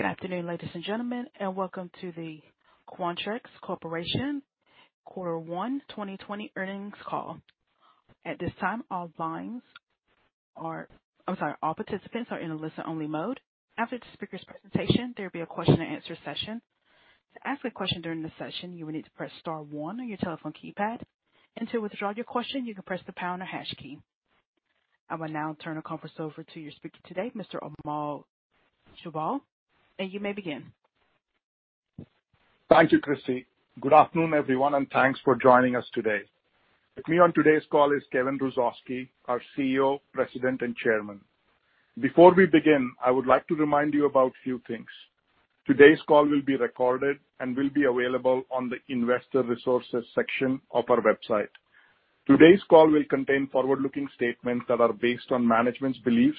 Good afternoon, ladies and gentlemen, and welcome to the Quanterix Corporation Quarter One 2020 Earnings Call. At this time, all participants are in a listen-only mode. After the speaker's presentation, there'll be a question and answer session. To ask a question during the session, you will need to press star one on your telephone keypad. To withdraw your question, you can press the pound or hash key. I will now turn the conference over to your speaker today, Mr. Amol Chaubal. You may begin. Thank you, Christy. Good afternoon, everyone, and thanks for joining us today. With me on today's call is Kevin Hrusovsky, our CEO, President, and Chairman. Before we begin, I would like to remind you about a few things. Today's call will be recorded and will be available on the investor resources section of our website. Today's call will contain forward-looking statements that are based on management's beliefs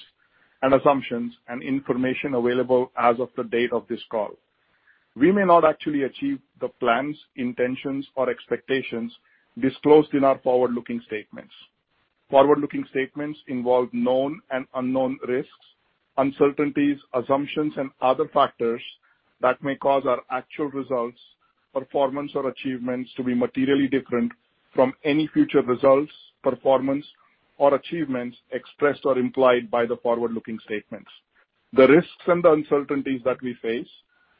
and assumptions and information available as of the date of this call. We may not actually achieve the plans, intentions, or expectations disclosed in our forward-looking statements. Forward-looking statements involve known and unknown risks, uncertainties, assumptions, and other factors that may cause our actual results, performance, or achievements to be materially different from any future results, performance, or achievements expressed or implied by the forward-looking statements. The risks and uncertainties that we face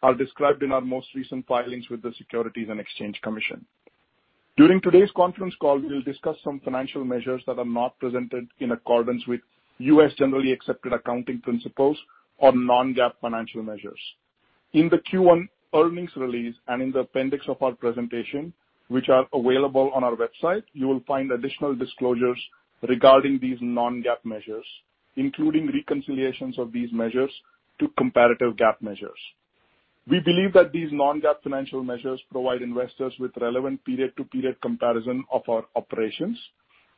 are described in our most recent filings with the Securities and Exchange Commission. During today's conference call, we'll discuss some financial measures that are not presented in accordance with U.S. generally accepted accounting principles or non-GAAP financial measures. In the Q1 earnings release and in the appendix of our presentation, which are available on our website, you will find additional disclosures regarding these non-GAAP measures, including reconciliations of these measures to comparative GAAP measures. We believe that these non-GAAP financial measures provide investors with relevant period-to-period comparison of our operations.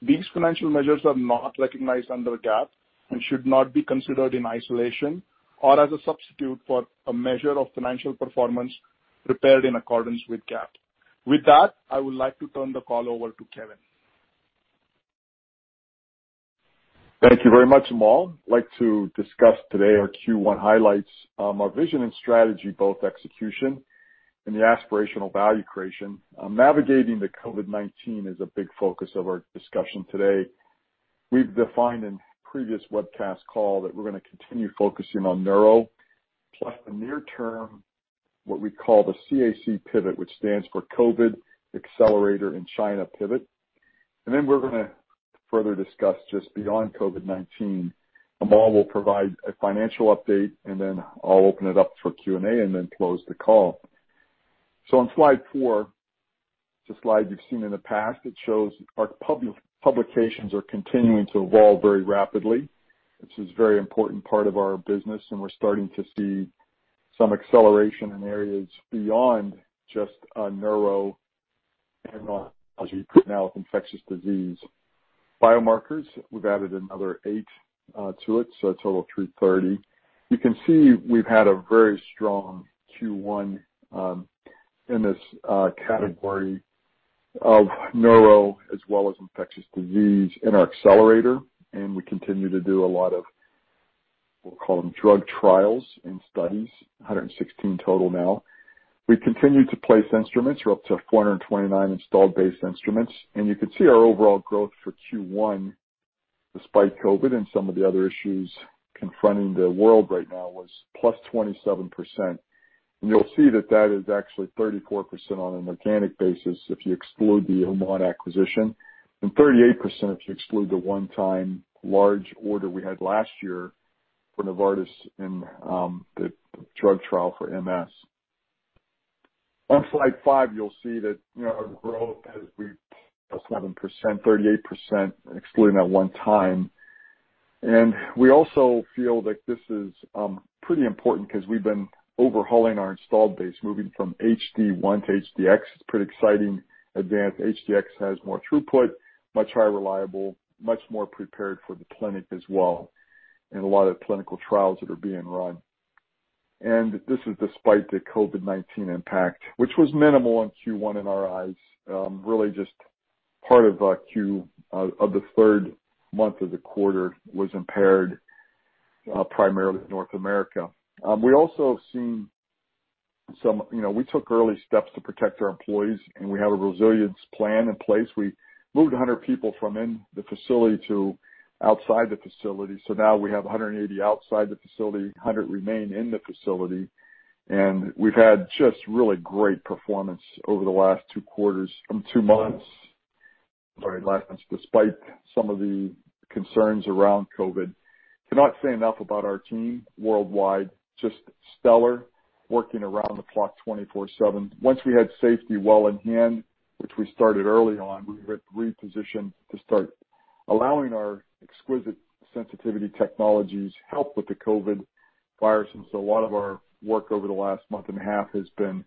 These financial measures are not recognized under GAAP and should not be considered in isolation or as a substitute for a measure of financial performance prepared in accordance with GAAP. With that, I would like to turn the call over to Kevin. Thank you very much, Amol. I'd like to discuss today our Q1 highlights, our vision and strategy, both execution and the aspirational value creation. Navigating the COVID-19 is a big focus of our discussion today. We've defined in previous webcast call that we're going to continue focusing on neuro, plus the near term, what we call the CAC pivot, which stands for COVID Accelerator and China pivot. We're going to further discuss just beyond COVID-19. Amol will provide a financial update, and then I'll open it up for Q&A and then close the call. On slide four, it's a slide you've seen in the past. It shows our publications are continuing to evolve very rapidly, which is a very important part of our business, and we're starting to see some acceleration in areas beyond just neuro and oncology, but now with infectious disease biomarkers. We've added another eight to it, so a total of 330. You can see we've had a very strong Q1, in this category of neuro as well as infectious disease in our accelerator, and we continue to do a lot of, we'll call them drug trials and studies, 116 total now. We continue to place instruments. We're up to 429 installed base instruments. You can see our overall growth for Q1, despite COVID and some of the other issues confronting the world right now, was +27%. You'll see that that is actually 34% on an organic basis if you exclude the Aushon acquisition, and 38% if you exclude the one-time large order we had last year for Novartis in the drug trial for MS. On slide five, you'll see that our growth has reached +7%, 38% excluding that one time. We also feel that this is pretty important because we've been overhauling our installed base, moving from HD-1 to HD-X. It's a pretty exciting advance. HD-X has more throughput, much higher reliable, much more prepared for the clinic as well, and a lot of clinical trials that are being run. This is despite the COVID-19 impact, which was minimal in Q1 in our eyes. Really just part of the third month of the quarter was impaired, primarily North America. We took early steps to protect our employees, and we have a resilience plan in place. We moved 100 people from in the facility to outside the facility. Now we have 180 outside the facility, 100 remain in the facility. We've had just really great performance over the last two quarters, two months. Sorry, last months, despite some of the concerns around COVID. Cannot say enough about our team worldwide, just stellar, working around the clock 24/7. Once we had safety well in hand, which we started early on, we repositioned to start allowing our exquisite sensitivity technologies help with the COVID virus. A lot of our work over the last month and a half has been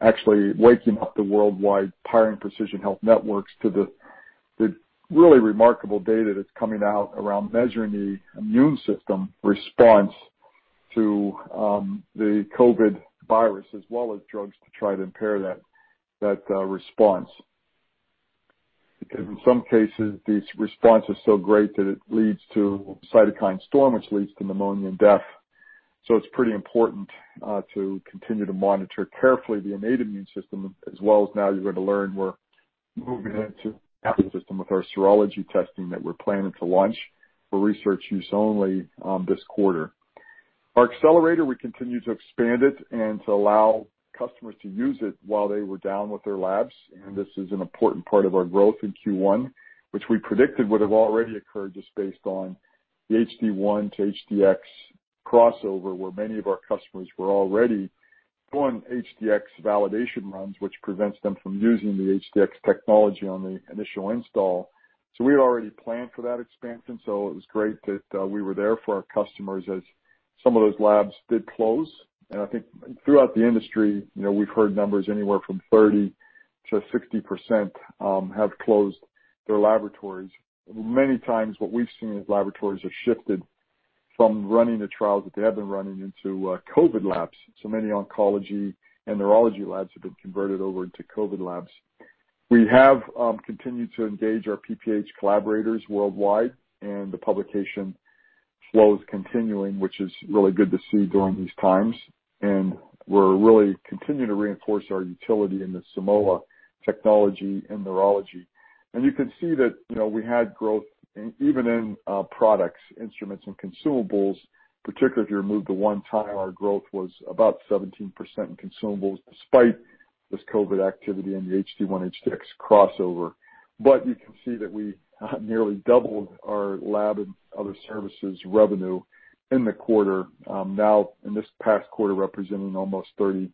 actually waking up the worldwide Powering Precision Health networks to the really remarkable data that's coming out around measuring the immune system response to the COVID virus as well as drugs to try to impair that response, because in some cases, the response is so great that it leads to cytokine storm, which leads to pneumonia and death. It's pretty important to continue to monitor carefully the innate immune system as well as now you're going to learn, we're moving into adaptive system with our serology testing that we're planning to launch for Research Use Only this quarter. Our Accelerator, we continue to expand it and to allow customers to use it while they were down with their labs. This is an important part of our growth in Q1, which we predicted would have already occurred just based on the HD-1 to HD-X crossover, where many of our customers were already doing HD-X validation runs, which prevents them from using the HD-X technology on the initial install. We had already planned for that expansion, so it was great that we were there for our customers as some of those labs did close. I think throughout the industry, we've heard numbers anywhere from 30%-60% have closed their laboratories. Many times, what we've seen is laboratories have shifted from running the trials that they had been running into COVID labs. Many oncology and neurology labs have been converted over into COVID labs. We have continued to engage our PPH collaborators worldwide, the publication flow is continuing, which is really good to see during these times. We're really continuing to reinforce our utility in the Simoa technology in neurology. You can see that we had growth even in products, instruments, and consumables, particularly if you remove the one-time, our growth was about 17% in consumables, despite this COVID activity and the HD-1, HD-X crossover. You can see that we nearly doubled our lab and other services revenue in the quarter. Now in this past quarter, representing almost 37%.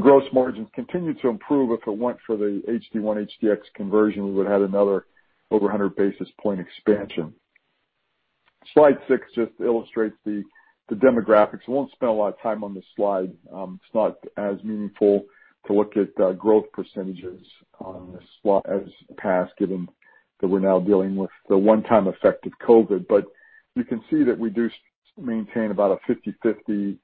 Gross margins continued to improve. If it weren't for the HD-1, HD-X conversion, we would've had another over 100 basis point expansion. Slide six just illustrates the demographics. I won't spend a lot of time on this slide. It's not as meaningful to look at growth percentages on this slide as the past, given that we're now dealing with the one-time effect of COVID-19. You can see that we do maintain about a 50/50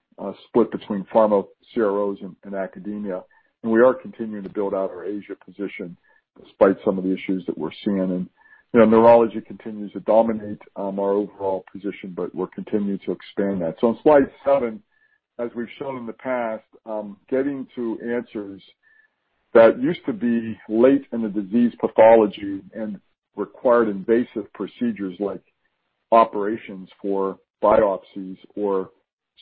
split between pharma CROs and academia, and we are continuing to build out our Asia position despite some of the issues that we're seeing. Neurology continues to dominate our overall position, but we're continuing to expand that. On slide seven, as we've shown in the past, getting to answers that used to be late in the disease pathology and required invasive procedures like operations for biopsies or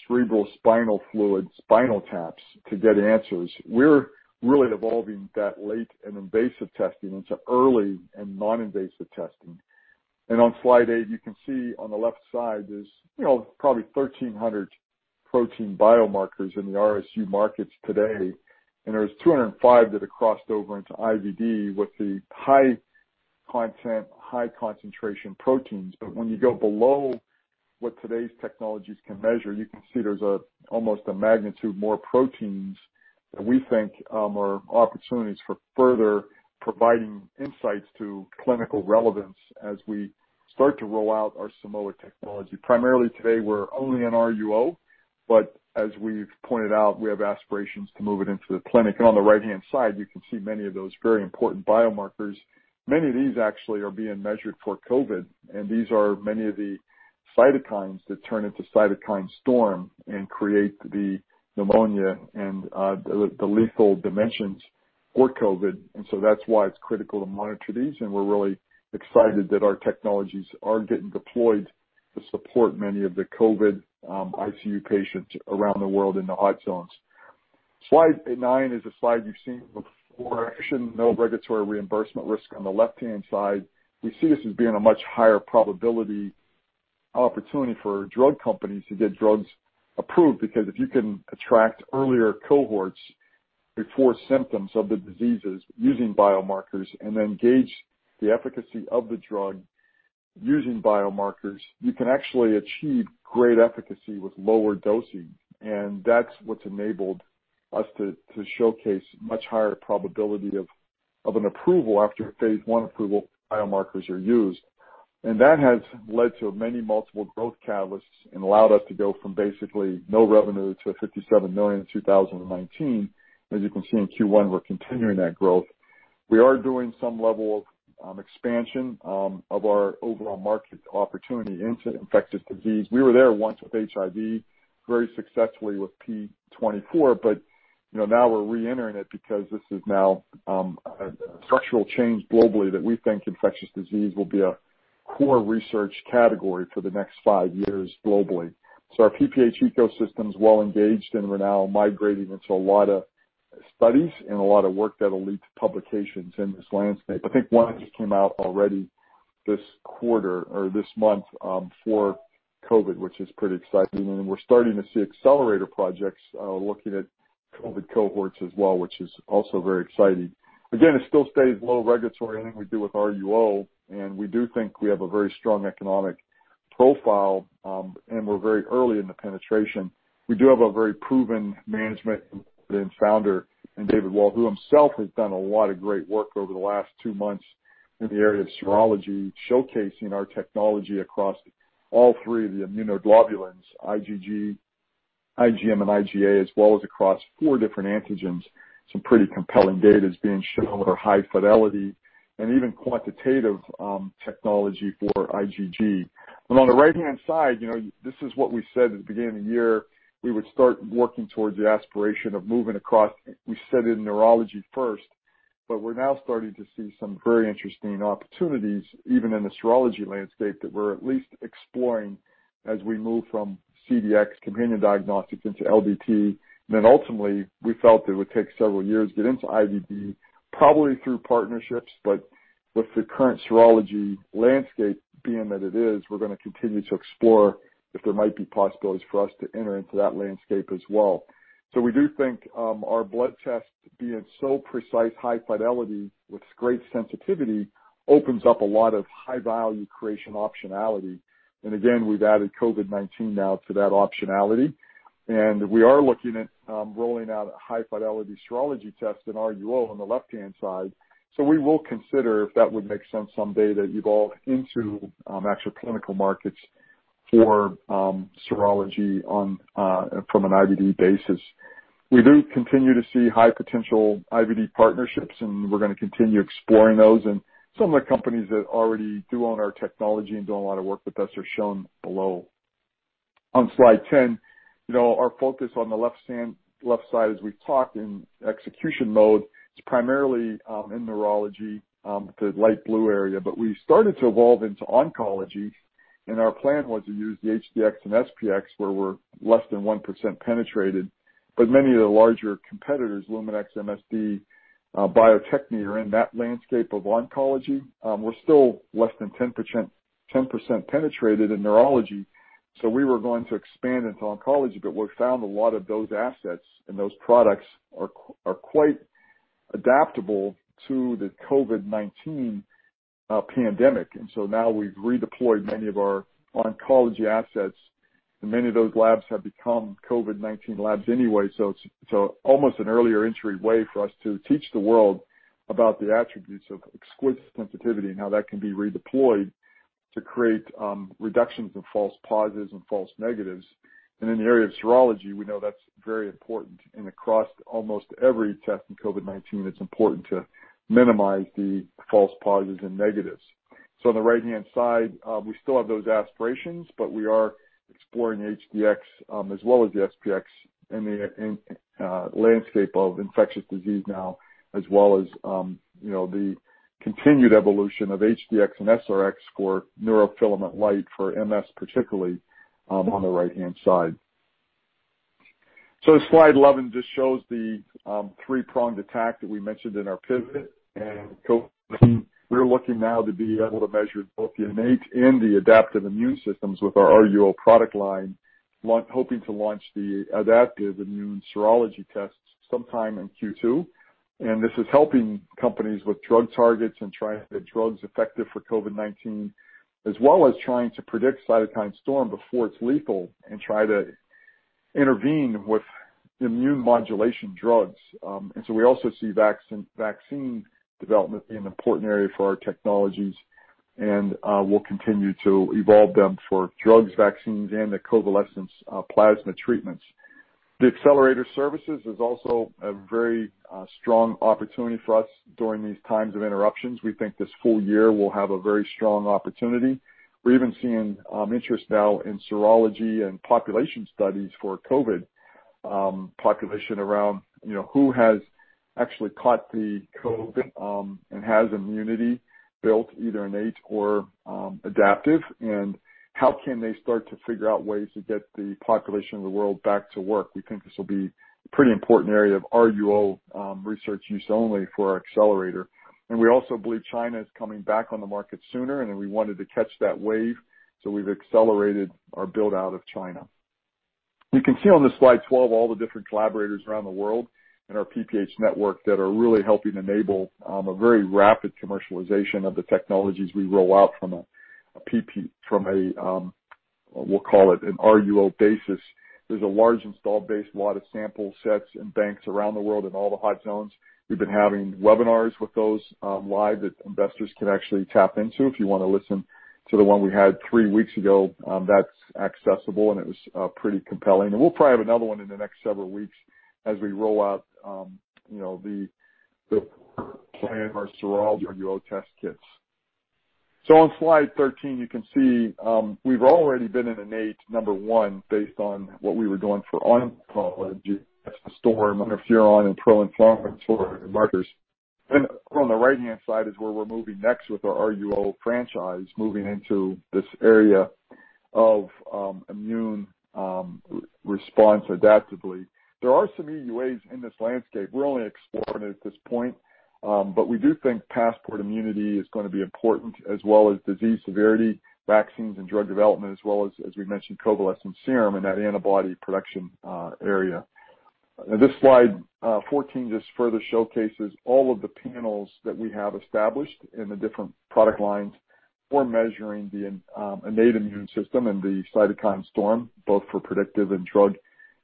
cerebral spinal fluid, spinal taps to get answers. We're really evolving that late and invasive testing into early and non-invasive testing. On slide eight, you can see on the left side, there's probably 1,300 protein biomarkers in the RUO markets today, and there's 205 that have crossed over into IVD with the high content, high concentration proteins. When you go below what today's technologies can measure, you can see there's almost a magnitude more proteins that we think are opportunities for further providing insights to clinical relevance as we start to roll out our Simoa technology. Primarily today, we're only in RUO, but as we've pointed out, we have aspirations to move it into the clinic. On the right-hand side, you can see many of those very important biomarkers. Many of these actually are being measured for COVID-19, and these are many of the cytokines that turn into cytokine storm and create the pneumonia and the lethal dimensions for COVID-19. That's why it's critical to monitor these, and we're really excited that our technologies are getting deployed to support many of the COVID-19 ICU patients around the world in the hot zones. Slide nine is a slide you've seen before. Actually, no regulatory reimbursement risk on the left-hand side. We see this as being a much higher probability opportunity for drug companies to get drugs approved, because if you can attract earlier cohorts before symptoms of the diseases using biomarkers, and then gauge the efficacy of the drug using biomarkers, you can actually achieve great efficacy with lower dosing. That's what's enabled us to showcase much higher probability of an approval after phase I approval biomarkers are used. That has led to many multiple growth catalysts and allowed us to go from basically no revenue to $57 million in 2019. As you can see in Q1, we're continuing that growth. We are doing some level of expansion of our overall market opportunity into infectious disease. We were there once with HIV, very successfully with p24. Now we're re-entering it because this is now a structural change globally that we think infectious disease will be a core research category for the next five years globally. Our PPH ecosystem is well engaged, and we're now migrating into a lot of studies and a lot of work that'll lead to publications in this landscape. I think one just came out already this quarter or this month, for COVID, which is pretty exciting. We're starting to see Accelerator projects looking at COVID cohorts as well, which is also very exciting. Again, it still stays low regulatory, anything we do with RUO, and we do think we have a very strong economic profile, and we're very early in the penetration. We do have a very proven management founder in David Walt, who himself has done a lot of great work over the last two months in the area of serology, showcasing our technology across all three of the immunoglobulins, IgG, IgM and IgA, as well as across four different antigens. Some pretty compelling data is being shown with our high fidelity and even quantitative technology for IgG. On the right-hand side, this is what we said at the beginning of the year, we would start working towards the aspiration of moving across, we said in neurology first, but we're now starting to see some very interesting opportunities, even in the serology landscape, that we're at least exploring as we move from CDx, companion diagnostics, into LDT. Ultimately, we felt it would take several years to get into IVD, probably through partnerships. With the current serology landscape being that it is, we're going to continue to explore if there might be possibilities for us to enter into that landscape as well. We do think our blood tests, being so precise, high fidelity with great sensitivity, opens up a lot of high-value creation optionality. Again, we've added COVID-19 now to that optionality. We are looking at rolling out a high-fidelity serology test in RUO on the left-hand side. We will consider, if that would make sense someday, to evolve into actual clinical markets for serology from an IVD basis. We do continue to see high-potential IVD partnerships, and we're going to continue exploring those. Some of the companies that already do own our technology and do a lot of work with us are shown below. On slide 10, our focus on the left side, as we've talked in execution mode, is primarily in neurology, the light blue area, but we started to evolve into oncology, and our plan was to use the HD-X and SP-X, where we're less than 1% penetrated. Many of the larger competitors, Luminex, MSD, Bio-Techne, are in that landscape of oncology. We're still less than 10% penetrated in neurology, so we were going to expand into oncology. We found a lot of those assets and those products are quite adaptable to the COVID-19 pandemic. Now we've redeployed many of our oncology assets, and many of those labs have become COVID-19 labs anyway. It's almost an earlier entry way for us to teach the world about the attributes of exquisite sensitivity and how that can be redeployed to create reductions in false positives and false negatives. In the area of serology, we know that's very important. Across almost every test in COVID-19, it's important to minimize the false positives and negatives. On the right-hand side, we still have those aspirations, but we are exploring HD-X as well as the SP-X in the landscape of infectious disease now, as well as the continued evolution of HD-X and SR-X for Neurofilament Light for MS, particularly on the right-hand side. Slide 11 just shows the three-pronged attack that we mentioned in our pivot. We're looking now to be able to measure both the innate and the adaptive immune systems with our RUO product line, hoping to launch the adaptive immune serology tests sometime in Q2. This is helping companies with drug targets and trying to get drugs effective for COVID-19, as well as trying to predict cytokine storm before it's lethal and try to intervene with immune modulation drugs. We also see vaccine development being an important area for our technologies, and we'll continue to evolve them for drugs, vaccines, and the convalescent plasma treatments. The accelerator services is also a very strong opportunity for us during these times of interruptions. We think this full year will have a very strong opportunity. We're even seeing interest now in serology and population studies for COVID, population around who has actually caught the COVID and has immunity built, either innate or adaptive, and how can they start to figure out ways to get the population of the world back to work. We think this will be a pretty important area of RUO, research use only, for our accelerator. We also believe China is coming back on the market sooner, and we wanted to catch that wave, so we've accelerated our build-out of China. You can see on slide 12 all the different collaborators around the world and our PPH network that are really helping enable a very rapid commercialization of the technologies we roll out from a, we'll call it an RUO basis. There's a large install base, a lot of sample sets and banks around the world in all the hot zones. We've been having webinars with those live that investors can actually tap into. If you want to listen to the one we had three weeks ago, that's accessible, and it was pretty compelling. We'll probably have another one in the next several weeks as we roll out the RUO test kits. On slide 13, you can see we've already been in innate, number one, based on what we were doing for oncology, cytokine storm, interferon, and pro-inflammatory markers. On the right-hand side is where we're moving next with our RUO franchise, moving into this area of immune response adaptively. There are some EUAs in this landscape. We're only exploring it at this point. We do think passport immunity is going to be important, as well as disease severity, vaccines, and drug development, as well as we mentioned, convalescent serum in that antibody production area. This slide, 14, just further showcases all of the panels that we have established in the different product lines for measuring the innate immune system and the cytokine storm, both for predictive and drug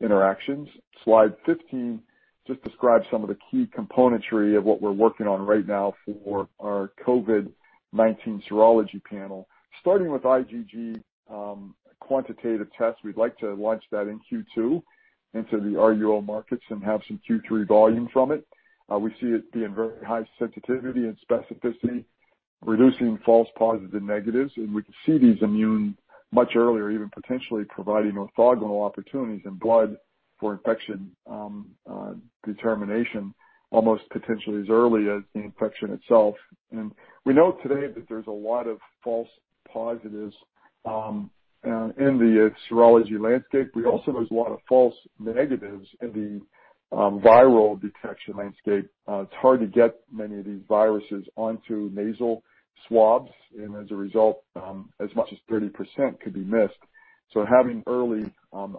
interactions. Slide 15. Just describe some of the key componentry of what we're working on right now for our COVID-19 serology panel. Starting with IgG, quantitative test, we'd like to launch that in Q2 into the RUO markets and have some Q3 volume from it. We see it being very high sensitivity and specificity, reducing false positives and negatives. We can see these immune much earlier, even potentially providing orthogonal opportunities in blood for infection determination, almost potentially as early as the infection itself. We know today that there's a lot of false positives in the serology landscape. There's a lot of false negatives in the viral detection landscape. It's hard to get many of these viruses onto nasal swabs. As a result, as much as 30% could be missed. Having early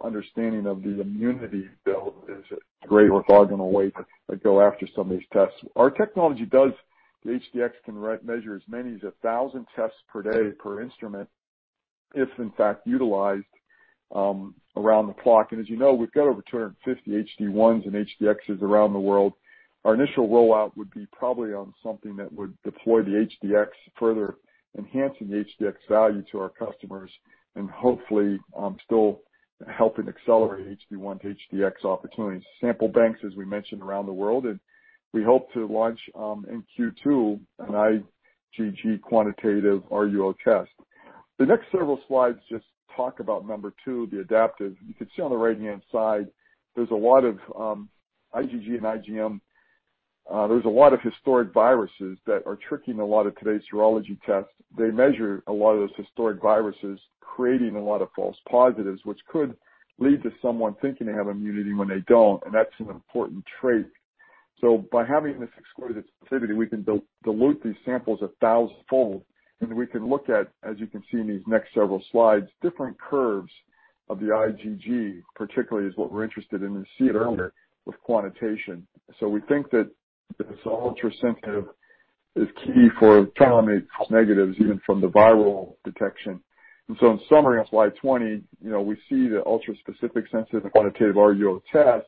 understanding of the immunity build is a great orthogonal way to go after some of these tests. The HD-X can measure as many as 1,000 tests per day per instrument, if in fact utilized around the clock. As you know, we've got over 250 HD-1s and HD-Xs around the world. Our initial rollout would be probably on something that would deploy the HD-X, further enhancing the HD-X value to our customers and hopefully, still helping accelerate HD-1 to HD-X opportunities. Sample banks, as we mentioned, around the world, and we hope to launch, in Q2, an IgG quantitative RUO test. The next several slides just talk about number two, the adaptive. You can see on the right-hand side, there's a lot of IgG and IgM. There's a lot of historic viruses that are tricking a lot of today's serology tests. They measure a lot of those historic viruses, creating a lot of false positives, which could lead to someone thinking they have immunity when they don't, and that's an important trait. By having this exquisite sensitivity, we can dilute these samples 1,000-fold, and we can look at, as you can see in these next several slides, different curves of the IgG, particularly is what we're interested in, and see it earlier with quantitation. In summary, on slide 20, we see the ultra specific sensitive and quantitative RUO test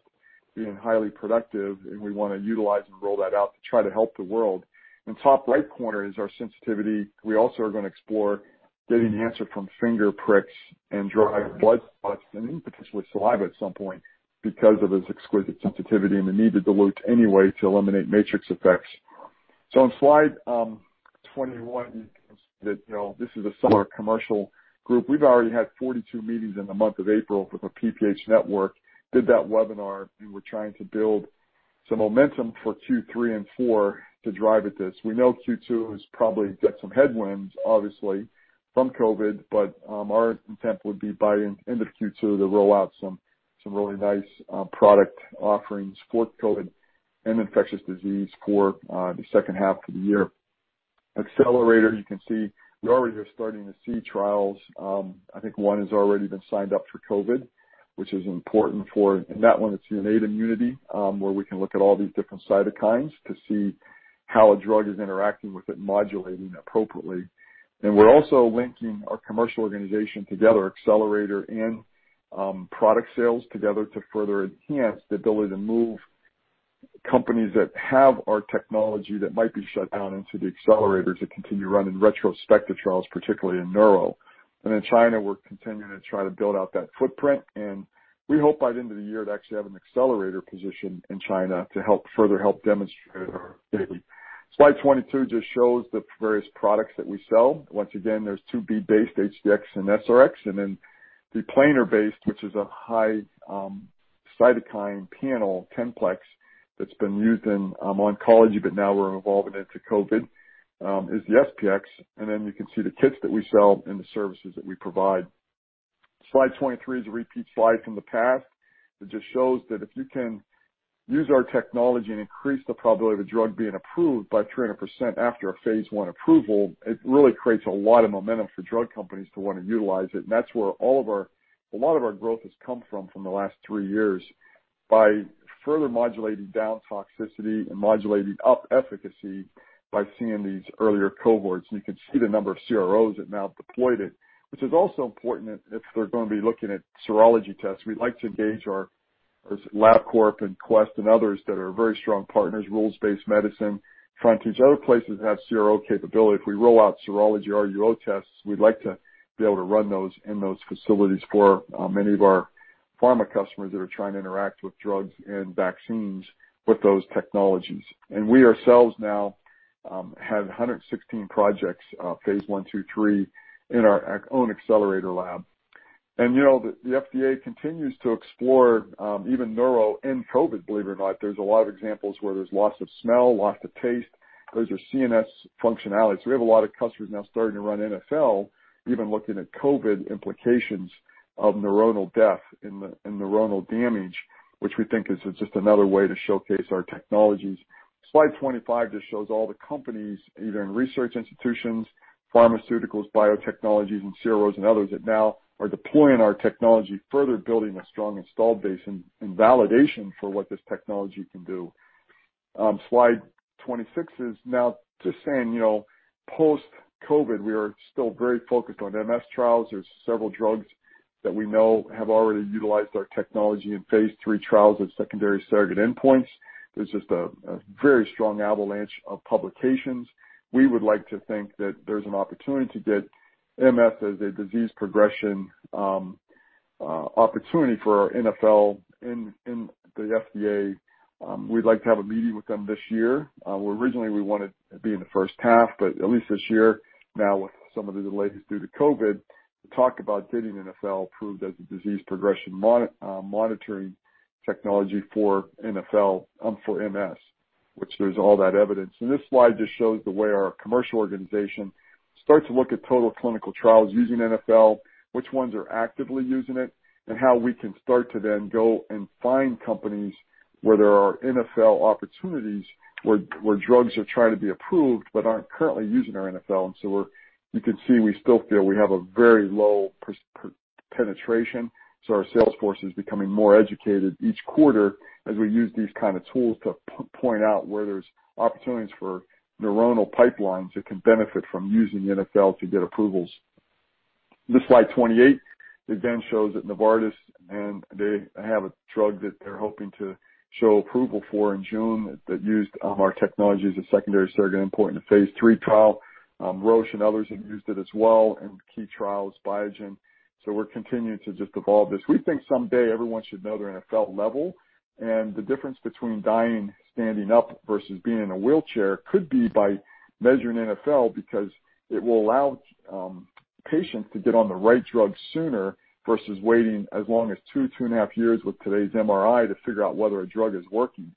being highly productive, and we want to utilize and roll that out to try to help the world. In top right corner is our sensitivity. We also are going to explore getting the answer from finger pricks and dried blood spots and even potentially saliva at some point because of its exquisite sensitivity and the need to dilute anyway to eliminate matrix effects. On slide 21, you can see that this is a summer commercial group. We've already had 42 meetings in the month of April with our PPH network, did that webinar. We were trying to build some momentum for Q3 and Q4 to drive at this. We know Q2 has probably got some headwinds, obviously, from COVID, but our intent would be by end of Q2 to roll out some really nice product offerings for COVID and infectious disease for the second half of the year. Accelerator, you can see we already are starting to see trials. I think one has already been signed up for COVID, which is important for, and that one, it's innate immunity, where we can look at all these different cytokines to see how a drug is interacting with it, modulating appropriately. We're also linking our commercial organization together, accelerator and product sales together, to further enhance the ability to move companies that have our technology that might be shut down into the accelerator to continue running retrospective trials, particularly in neuro. In China, we're continuing to try to build out that footprint, and we hope by the end of the year to actually have an accelerator position in China to further help demonstrate our capability. Slide 22 just shows the various products that we sell. Once again, there's bead-based HD-X and SR-X, and then the planar-based, which is a high cytokine panel 10-plex that's been used in oncology, but now we're evolving it to COVID-19, is the SP-X. You can see the kits that we sell and the services that we provide. Slide 23 is a repeat slide from the past. It just shows that if you can use our technology and increase the probability of a drug being approved by 300% after a phase I approval, it really creates a lot of momentum for drug companies to want to utilize it. That's where a lot of our growth has come from the last three years, by further modulating down toxicity and modulating up efficacy by seeing these earlier cohorts. You can see the number of CROs that now deployed it. Which is also important if they're going to be looking at serology tests. We'd like to engage our LabCorp and Quest and others that are very strong partners, Rules-Based Medicine, trying to use other places that have CRO capability. If we roll out serology RUO tests, we'd like to be able to run those in those facilities for many of our pharma customers that are trying to interact with drugs and vaccines with those technologies. We ourselves now have 116 projects, phase I, II, III, in our own accelerator lab. The FDA continues to explore, even neuro and COVID, believe it or not. There's a lot of examples where there's loss of smell, loss of taste. Those are CNS functionalities. We have a lot of customers now starting to run NfL, even looking at COVID implications of neuronal death and neuronal damage, which we think is just another way to showcase our technologies. Slide 25 just shows all the companies, either in research institutions, pharmaceuticals, biotechnologies, and CROs and others that now are deploying our technology, further building a strong install base and validation for what this technology can do. Slide 26 is now just saying, post-COVID, we are still very focused on MS trials. There's several drugs that we know have already utilized our technology in phase III trials as secondary surrogate endpoints. There's just a very strong avalanche of publications. We would like to think that there's an opportunity to get MS as a disease progression opportunity for our NfL in the FDA. We'd like to have a meeting with them this year. Originally, we wanted to be in the first half, but at least this year, now with some of the delays due to COVID-19, to talk about getting NfL approved as a disease progression monitoring technology for NfL for MS, which there's all that evidence. This slide just shows the way our commercial organization starts to look at total clinical trials using NfL, which ones are actively using it, and how we can start to then go and find companies where there are NfL opportunities, where drugs are trying to be approved but aren't currently using our NfL. You can see we still feel we have a very low penetration. Our sales force is becoming more educated each quarter as we use these kind of tools to point out where there's opportunities for neuronal pipelines that can benefit from using NfL to get approvals. This slide 28, again, shows that Novartis, and they have a drug that they're hoping to show approval for in June that used our technology as a secondary surrogate endpoint in a phase III trial. Roche and others have used it as well in key trials, Biogen. We're continuing to just evolve this. We think someday everyone should know their NfL level, and the difference between dying standing up versus being in a wheelchair could be by measuring NfL because it will allow patients to get on the right drug sooner versus waiting as long as two and a half years with today's MRI to figure out whether a drug is working.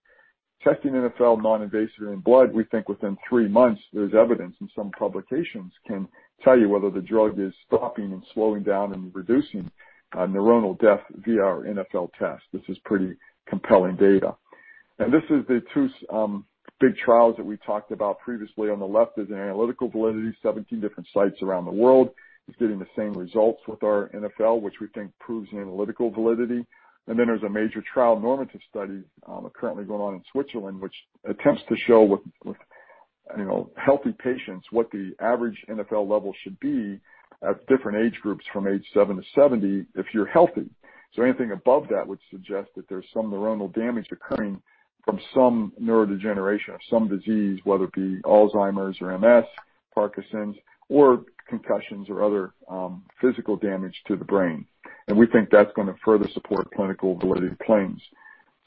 Testing NfL non-invasively in blood, we think within three months, there's evidence, and some publications can tell you whether the drug is stopping and slowing down and reducing neuronal death via our NfL test. This is pretty compelling data. This is the two big trials that we talked about previously. On the left is an analytical validity, 17 different sites around the world. It's getting the same results with our NfL, which we think proves analytical validity. Then there's a major trial normative study currently going on in Switzerland, which attempts to show with healthy patients, what the average NfL level should be at different age groups from age seven to 70 if you're healthy. Anything above that would suggest that there's some neuronal damage occurring from some neurodegeneration of some disease, whether it be Alzheimer's or MS, Parkinson's or concussions or other physical damage to the brain. We think that's going to further support clinical validity claims.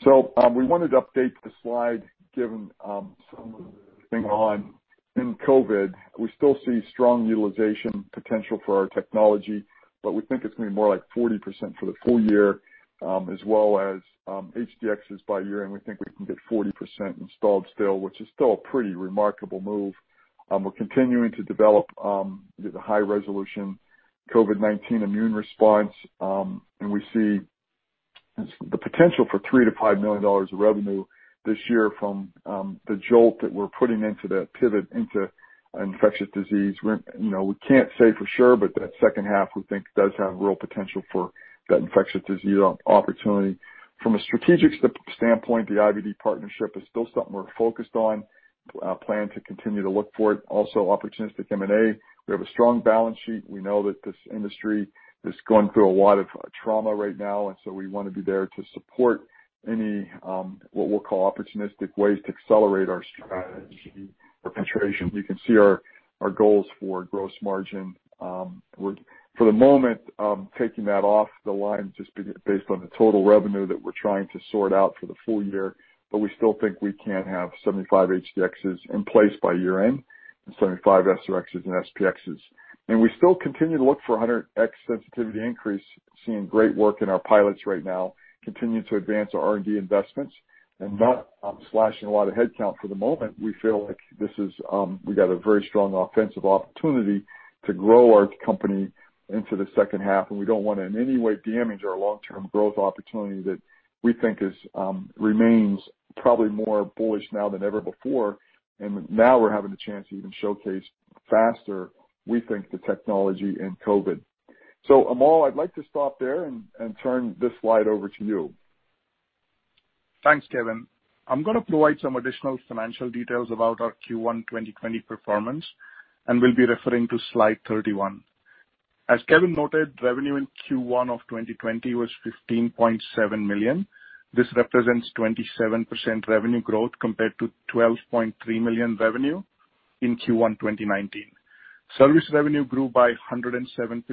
We wanted to update the slide given some of the things going on in COVID. We still see strong utilization potential for our technology, but we think it's going to be more like 40% for the full year as well as HD-X by year-end. We think we can get 40% installed still, which is still a pretty remarkable move. We're continuing to develop the high-resolution COVID-19 immune response, and we see the potential for $3 million-$5 million of revenue this year from the jolt that we're putting into that pivot into infectious disease. We can't say for sure, but that second half, we think, does have real potential for that infectious disease opportunity. From a strategic standpoint, the IVD partnership is still something we're focused on. Plan to continue to look for it. Also, opportunistic M&A. We have a strong balance sheet. We know that this industry is going through a lot of trauma right now, and so we want to be there to support any, what we'll call opportunistic ways to accelerate our strategy. Penetration. You can see our goals for gross margin. For the moment, taking that off the line just based on the total revenue that we're trying to sort out for the full year, but we still think we can have 75 HD-Xs in place by year-end and 75 SR-Xs and SP-Xs. We still continue to look for 100x sensitivity increase, seeing great work in our pilots right now, continuing to advance our R&D investments and not slashing a lot of headcount for the moment. We feel like we got a very strong offensive opportunity to grow our company into the second half, and we don't want to in any way damage our long-term growth opportunity that we think remains probably more bullish now than ever before. Now we're having the chance to even showcase faster, we think, the technology in COVID. Amol, I'd like to stop there and turn this slide over to you. Thanks, Kevin. I'm going to provide some additional financial details about our Q1 2020 performance, we'll be referring to slide 31. As Kevin noted, revenue in Q1 of 2020 was $15.7 million. This represents 27% revenue growth compared to $12.3 million revenue in Q1 2019. Service revenue grew by 107%,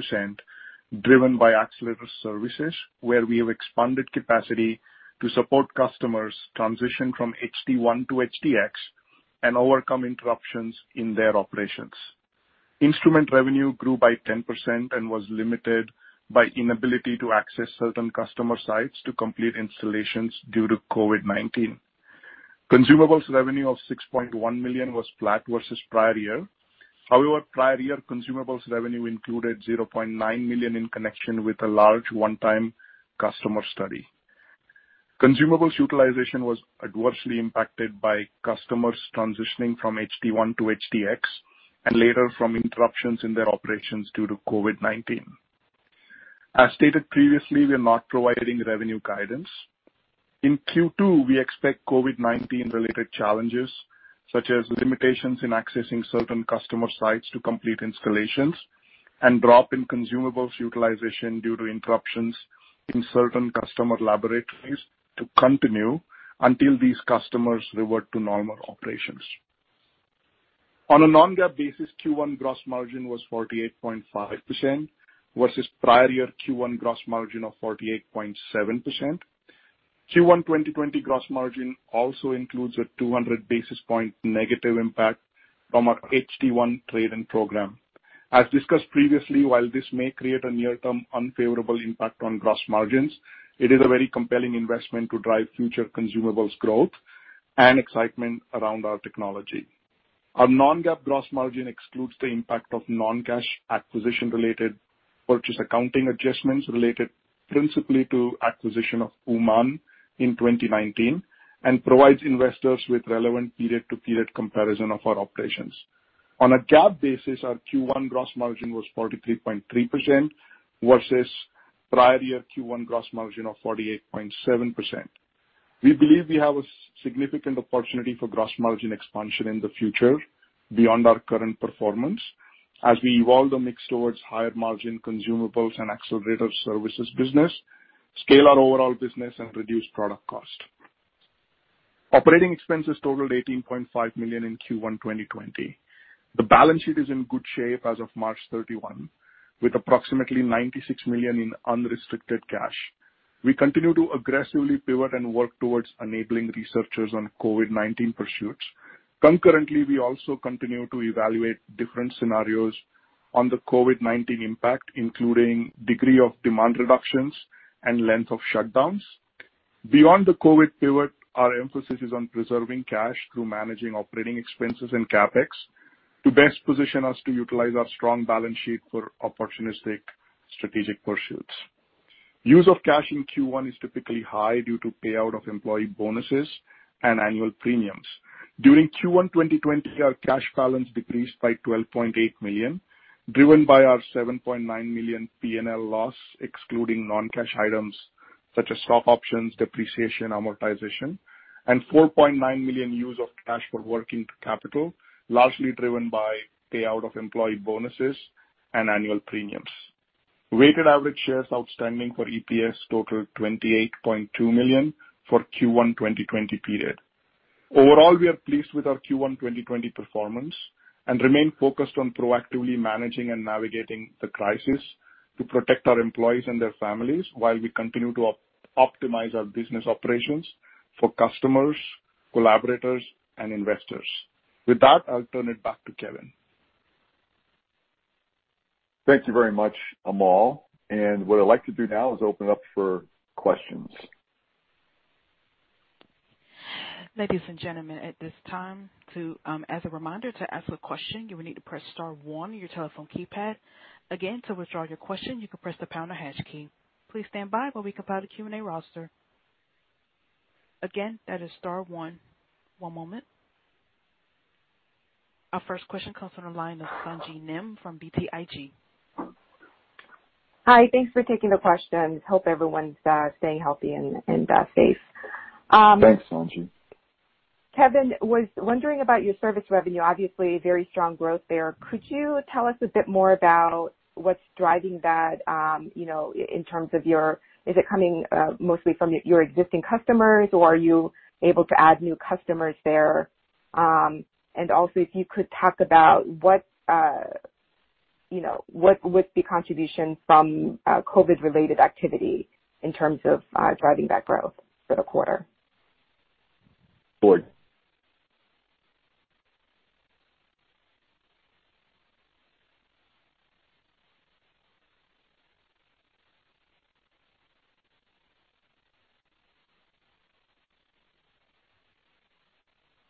driven by accelerator services, where we have expanded capacity to support customers transition from HD-1 to HD-X and overcome interruptions in their operations. Instrument revenue grew by 10% and was limited by inability to access certain customer sites to complete installations due to COVID-19. Consumables revenue of $6.1 million was flat versus prior year. However, prior year consumables revenue included $0.9 million in connection with a large one-time customer study. Consumables utilization was adversely impacted by customers transitioning from HD-1 to HD-X and later from interruptions in their operations due to COVID-19. As stated previously, we are not providing revenue guidance. In Q2, we expect COVID-19 related challenges, such as limitations in accessing certain customer sites to complete installations and drop in consumables utilization due to interruptions in certain customer laboratories to continue until these customers revert to normal operations. On a non-GAAP basis, Q1 gross margin was 48.5% versus prior year Q1 gross margin of 48.7%. Q1 2020 gross margin also includes a 200 basis point negative impact from our HD-1 trade-in program. As discussed previously, while this may create a near-term unfavorable impact on gross margins, it is a very compelling investment to drive future consumables growth and excitement around our technology. Our non-GAAP gross margin excludes the impact of non-cash acquisition related purchase accounting adjustments related principally to acquisition of UmanDiagnostics in 2019, and provides investors with relevant period-to-period comparison of our operations. On a GAAP basis, our Q1 gross margin was 43.3% versus prior year Q1 gross margin of 48.7%. We believe we have a significant opportunity for gross margin expansion in the future beyond our current performance, as we evolve the mix towards higher margin consumables and accelerator services business, scale our overall business, and reduce product cost. Operating expenses totaled $18.5 million in Q1 2020. The balance sheet is in good shape as of March 31, with approximately $96 million in unrestricted cash. We continue to aggressively pivot and work towards enabling researchers on COVID-19 pursuits. Concurrently, we also continue to evaluate different scenarios on the COVID-19 impact, including degree of demand reductions and length of shutdowns. Beyond the COVID pivot, our emphasis is on preserving cash through managing operating expenses and CapEx to best position us to utilize our strong balance sheet for opportunistic strategic pursuits. Use of cash in Q1 is typically high due to payout of employee bonuses and annual premiums. During Q1 2020, our cash balance decreased by $12.8 million, driven by our $7.9 million P&L loss, excluding non-cash items such as stock options, depreciation, amortization, and $4.9 million use of cash for working capital, largely driven by payout of employee bonuses and annual premiums. Weighted average shares outstanding for EPS totaled 28.2 million for Q1 2020 period. Overall, we are pleased with our Q1 2020 performance and remain focused on proactively managing and navigating the crisis to protect our employees and their families while we continue to optimize our business operations for customers, collaborators, and investors. With that, I'll turn it back to Kevin. Thank you very much, Amol. What I'd like to do now is open up for questions. Ladies and gentlemen, at this time, as a reminder, to ask a question, you will need to press star one on your telephone keypad. Our first question comes from the line of Sung Ji Nam from BTIG. Hi. Thanks for taking the questions. Hope everyone's staying healthy and safe. Thanks, Sung Ji. Kevin, was wondering about your service revenue. Obviously, very strong growth there. Could you tell us a bit more about what's driving that, in terms of is it coming mostly from your existing customers, or are you able to add new customers there? Also, if you could talk about what's the contribution from COVID-related activity in terms of driving that growth for the quarter? Sure.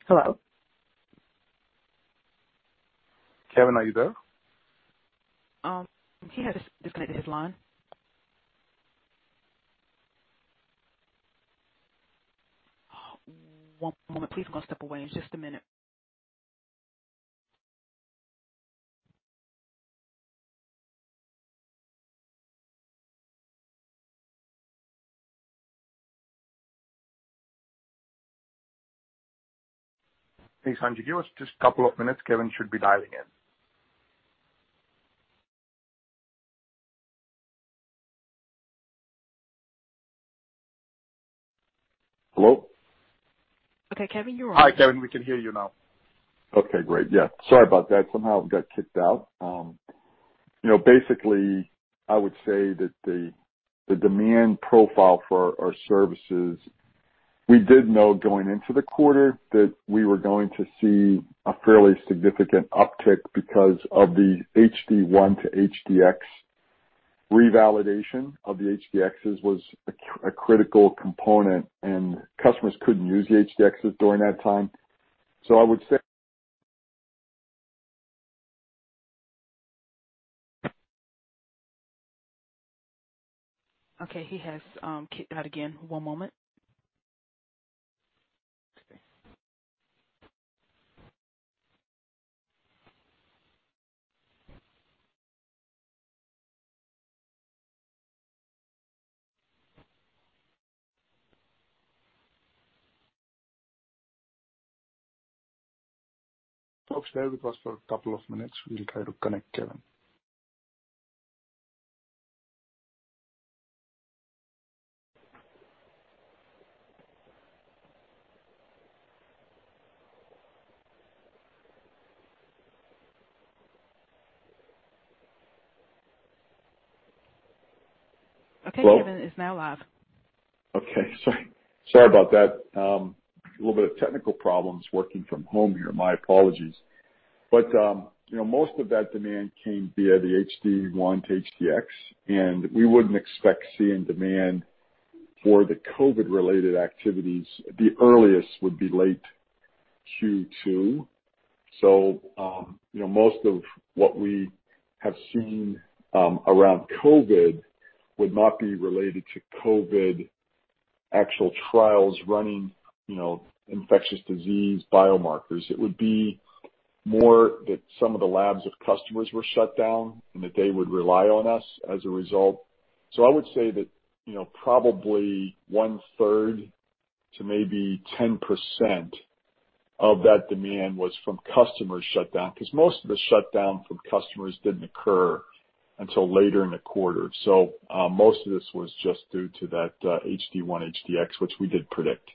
Hello? Kevin, are you there? He has disconnected his line. One moment please, I'm going to step away just a minute. Hey, Sung Ji. Give us just a couple of minutes. Kevin should be dialing in. Hello? Okay, Kevin, you're on. Hi, Kevin. We can hear you now. Okay, great. Yeah, sorry about that. Somehow I got kicked out. Basically, I would say that the demand profile for our services, we did know going into the quarter that we were going to see a fairly significant uptick because of the HD-1 to HD-X revalidation of the HD-Xs was a critical component, and customers couldn't use the HD-Xs during that time. Okay, he has kicked out again. One moment. Folks, bear with us for a couple of minutes. We'll try to connect Kevin. Okay. Hello? Kevin is now live. Okay. Sorry about that. A little bit of technical problems working from home here. My apologies. Most of that demand came via the HD-1 to HD-X, and we wouldn't expect seeing demand for the COVID-19-related activities, the earliest would be late Q2. Most of what we have seen around COVID-19 would not be related to COVID-19 actual trials running, infectious disease biomarkers. It would be more that some of the labs of customers were shut down, and that they would rely on us as a result. I would say that, probably one-third to maybe 10% of that demand was from customers shut down, because most of the shutdown from customers didn't occur until later in the quarter. Most of this was just due to that HD-1/HD-X, which we did predict.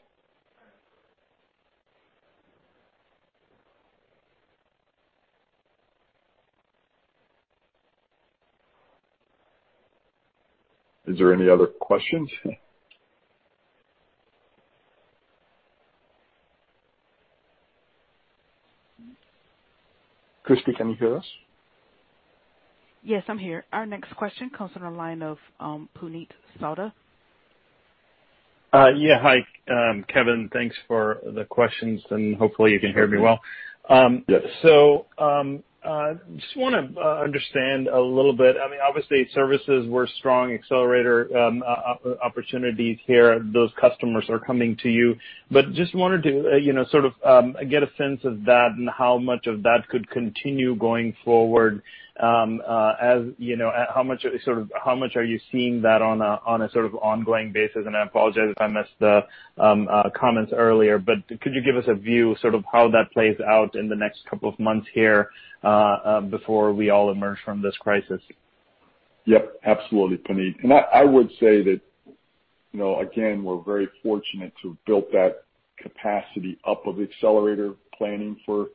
Is there any other questions? Christy, can you hear us? Yes, I'm here. Our next question comes on the line of Puneet Souda. Yeah. Hi, Kevin. Thanks for the questions, hopefully you can hear me well. Yes. Just want to understand a little bit. Obviously, services were strong, accelerator opportunities here, those customers are coming to you. Just wanted to get a sense of that and how much of that could continue going forward. How much are you seeing that on a sort of ongoing basis? I apologize if I missed the comments earlier, but could you give us a view, how that plays out in the next couple of months here, before we all emerge from this crisis? Yep, absolutely, Puneet. I would say that, again, we're very fortunate to have built that capacity up of accelerator planning for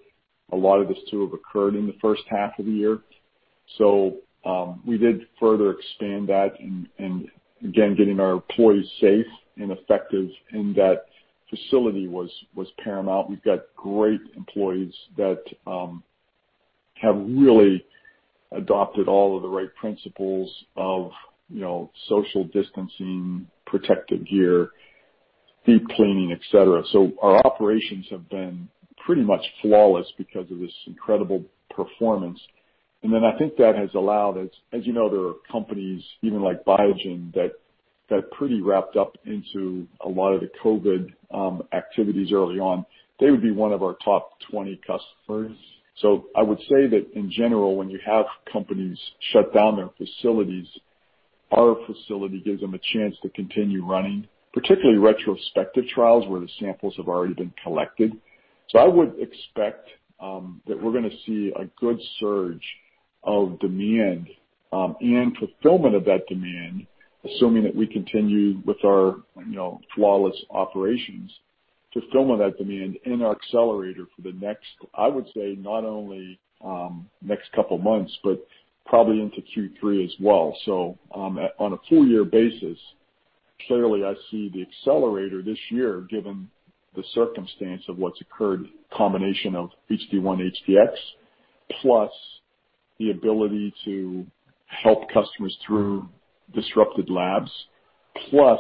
a lot of this to have occurred in the first half of the year. We did further expand that, and again, getting our employees safe and effective in that facility was paramount. We've got great employees that have really adopted all of the right principles of social distancing, protective gear, deep cleaning, et cetera. Our operations have been pretty much flawless because of this incredible performance. I think that has allowed us, as you know, there are companies, even like Biogen, that pretty wrapped up into a lot of the COVID activities early on. They would be one of our top 20 customers. I would say that in general, when you have companies shut down their facilities, our facility gives them a chance to continue running, particularly retrospective trials where the samples have already been collected. I would expect that we're going to see a good surge of demand and fulfillment of that demand, assuming that we continue with our flawless operations, fulfillment of that demand in our accelerator for the next, I would say, not only next couple of months, but probably into Q3 as well. On a full year basis, clearly I see the accelerator this year, given the circumstance of what's occurred, combination of HD-1/HD-X, plus the ability to help customers through disrupted labs, plus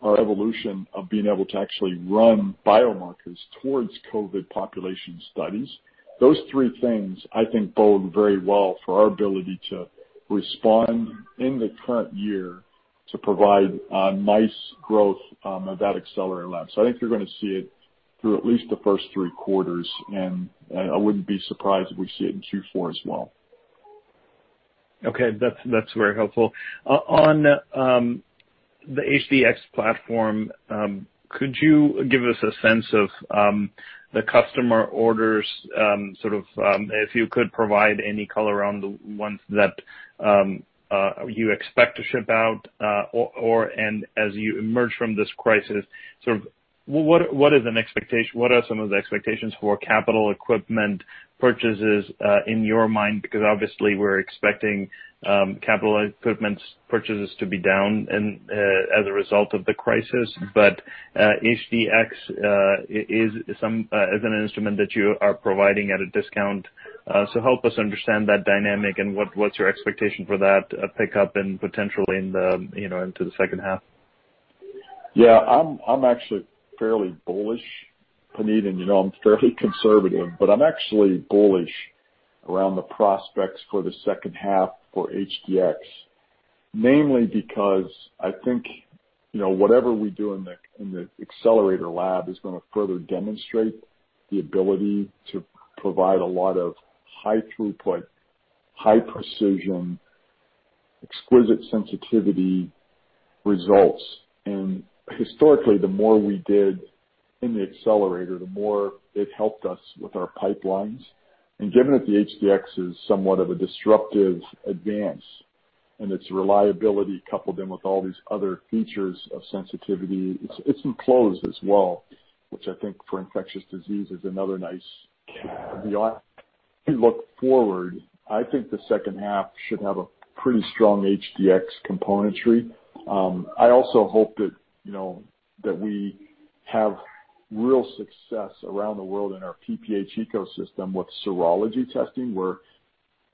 our evolution of being able to actually run biomarkers towards COVID-19 population studies. Those three things, I think, bode very well for our ability to respond in the current year to provide a nice growth of that accelerator lab. I think you're going to see it through at least the first three quarters, and I wouldn't be surprised if we see it in Q4 as well. Okay. That's very helpful. On the HD-X platform, could you give us a sense of the customer orders, if you could provide any color on the ones that you expect to ship out? As you emerge from this crisis, what are some of the expectations for capital equipment purchases, in your mind? Obviously we're expecting capital equipment purchases to be down as a result of the crisis. HD-X is an instrument that you are providing at a discount. Help us understand that dynamic and what's your expectation for that pickup and potential into the second half? Yeah. I'm actually fairly bullish, Puneet, and you know I'm fairly conservative, but I'm actually bullish around the prospects for the second half for HD-X. Namely because I think whatever we do in the accelerator lab is going to further demonstrate the ability to provide a lot of high throughput, high precision, exquisite sensitivity results. Historically, the more we did in the accelerator, the more it helped us with our pipelines. Given that the HD-X is somewhat of a disruptive advance and its reliability coupled in with all these other features of sensitivity, it's enclosed as well, which I think for infectious disease is another nice look forward. I think the second half should have a pretty strong HD-X componentry. I also hope that we have real success around the world in our PPH ecosystem with serology testing, where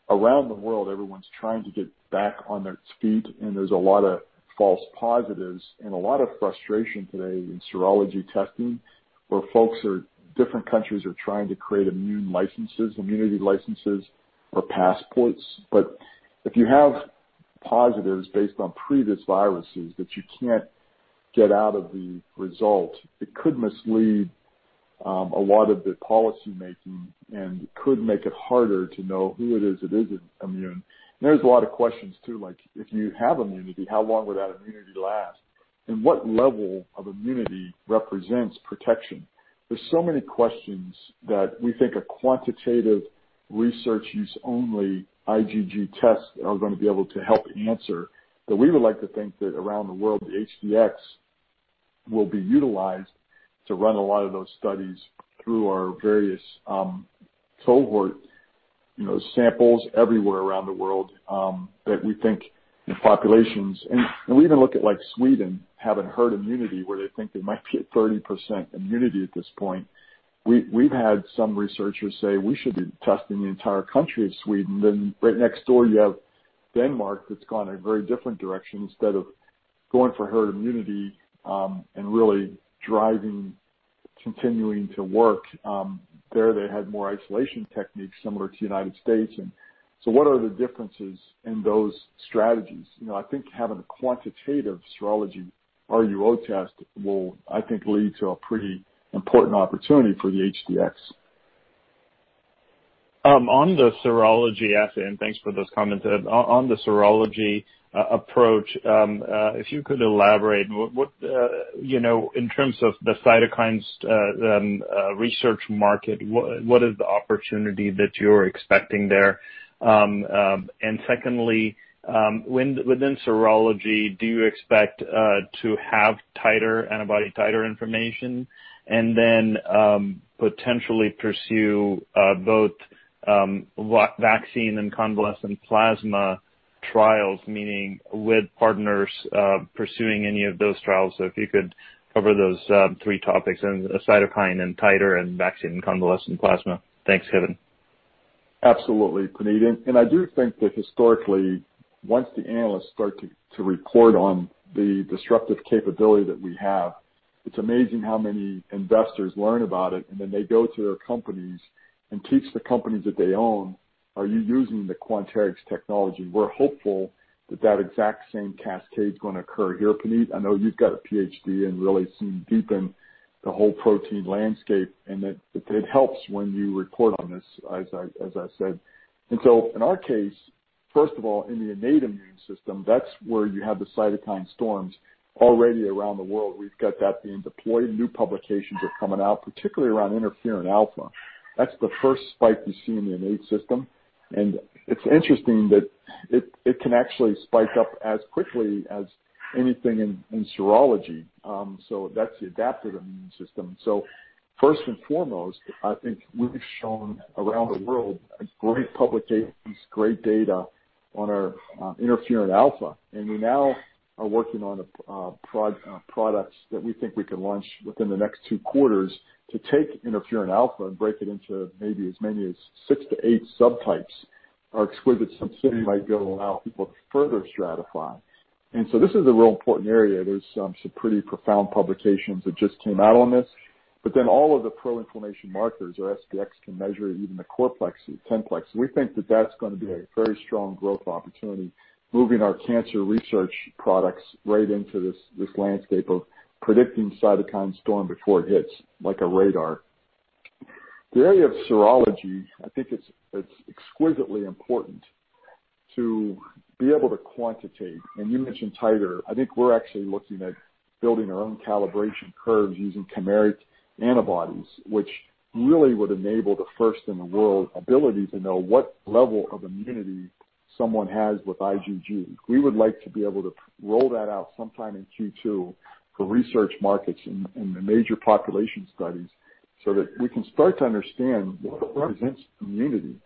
around the world, everyone's trying to get back on their feet, and there's a lot of false positives and a lot of frustration today in serology testing, where different countries are trying to create immune licenses, immunity licenses or passports. If you have positives based on previous viruses that you can't get out of the result, it could mislead a lot of the policy making and could make it harder to know who it is that isn't immune. There's a lot of questions, too, like if you have immunity, how long will that immunity last? What level of immunity represents protection? There's so many questions that we think a quantitative Research Use Only IgG test are going to be able to help answer, that we would like to think that around the world, the HD-X will be utilized to run a lot of those studies through our various cohort samples everywhere around the world, that we think in populations-- and we even look at like Sweden, having herd immunity, where they think they might be at 30% immunity at this point. We've had some researchers say we should be testing the entire country of Sweden. Right next door you have Denmark that's gone a very different direction. Instead of going for herd immunity and really driving, continuing to work, there they had more isolation techniques similar to U.S. What are the differences in those strategies? I think having a quantitative serology RUO test will lead to a pretty important opportunity for the HD-X. On the serology assay. Thanks for those comments. On the serology approach, if you could elaborate, in terms of the cytokines research market, what is the opportunity that you're expecting there? Secondly, within serology, do you expect to have titer antibody, titer information and then potentially pursue both vaccine and convalescent plasma trials, meaning with partners pursuing any of those trials? If you could cover those three topics then, cytokine and titer and vaccine convalescent plasma. Thanks, Kevin. Absolutely, Puneet. I do think that historically, once the analysts start to report on the disruptive capability that we have, it's amazing how many investors learn about it, and then they go to their companies and teach the companies that they own, are you using the Quanterix technology? We're hopeful that that exact same cascade is going to occur here, Puneet. I know you've got a PhD in really seeming deep in the whole protein landscape, and that it helps when you report on this, as I said. In our case, first of all, in the innate immune system, that's where you have the cytokine storms already around the world. We've got that being deployed. New publications are coming out, particularly around interferon alpha. That's the first spike you see in the innate system. It's interesting that it can actually spike up as quickly as anything in serology. That's the adaptive immune system. First and foremost, I think we've shown around the world great publications, great data on our interferon alpha. We now are working on products that we think we can launch within the next two quarters to take interferon alpha and break it into maybe as many as six to eight subtypes. Our exquisite sensitivity might be able to allow people to further stratify. This is a real important area. There's some pretty profound publications that just came out on this. All of the pro-inflammation markers, our SP-X can measure even the CorPlex and 10-plex. We think that that's going to be a very strong growth opportunity, moving our cancer research products right into this landscape of predicting cytokine storm before it hits, like a radar. The area of serology, I think it's exquisitely important to be able to quantitate, and you mentioned titer. I think we're actually looking at building our own calibration curves using chimeric antibodies, which really would enable the first-in-the-world ability to know what level of immunity someone has with IgG. We would like to be able to roll that out sometime in Q2 for research markets in the major population studies so that we can start to understand what represents immunity.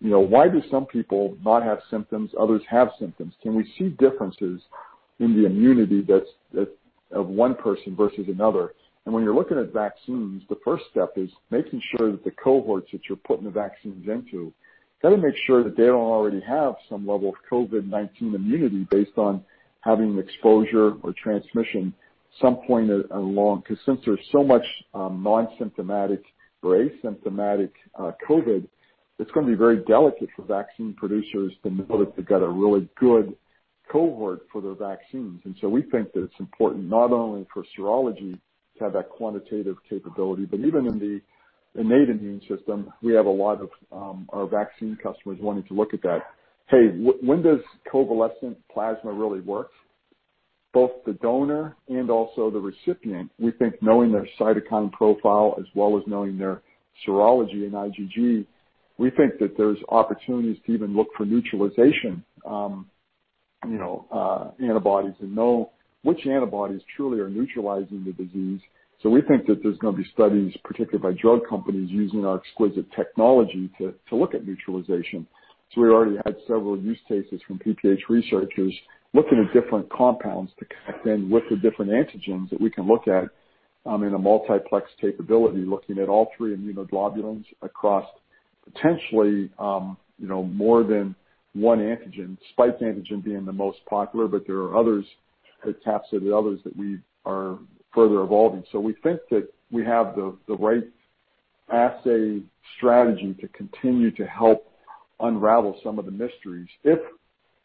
Why do some people not have symptoms, others have symptoms? Can we see differences in the immunity of one person versus another? When you're looking at vaccines, the first step is making sure that the cohorts that you're putting the vaccines into, got to make sure that they don't already have some level of COVID-19 immunity based on having exposure or transmission some point along. Since there's so much non-symptomatic or asymptomatic COVID, it's going to be very delicate for vaccine producers to know that they've got a really good cohort for their vaccines. We think that it's important not only for serology to have that quantitative capability, but even in the innate immune system, we have a lot of our vaccine customers wanting to look at that. Hey, when does convalescent plasma really work? Both the donor and also the recipient, we think knowing their cytokine profile as well as knowing their serology and IgG, we think that there's opportunities to even look for neutralization antibodies and know which antibodies truly are neutralizing the disease. We think that there's going to be studies, particularly by drug companies, using our exquisite technology to look at neutralization. We already had several use cases from PPH researchers looking at different compounds to connect in with the different antigens that we can look at in a multiplex capability, looking at all three immunoglobulins across potentially more than one antigen, spike antigen being the most popular, but there are types of the others that we are further evolving. We think that we have the right assay strategy to continue to help unravel some of the mysteries. If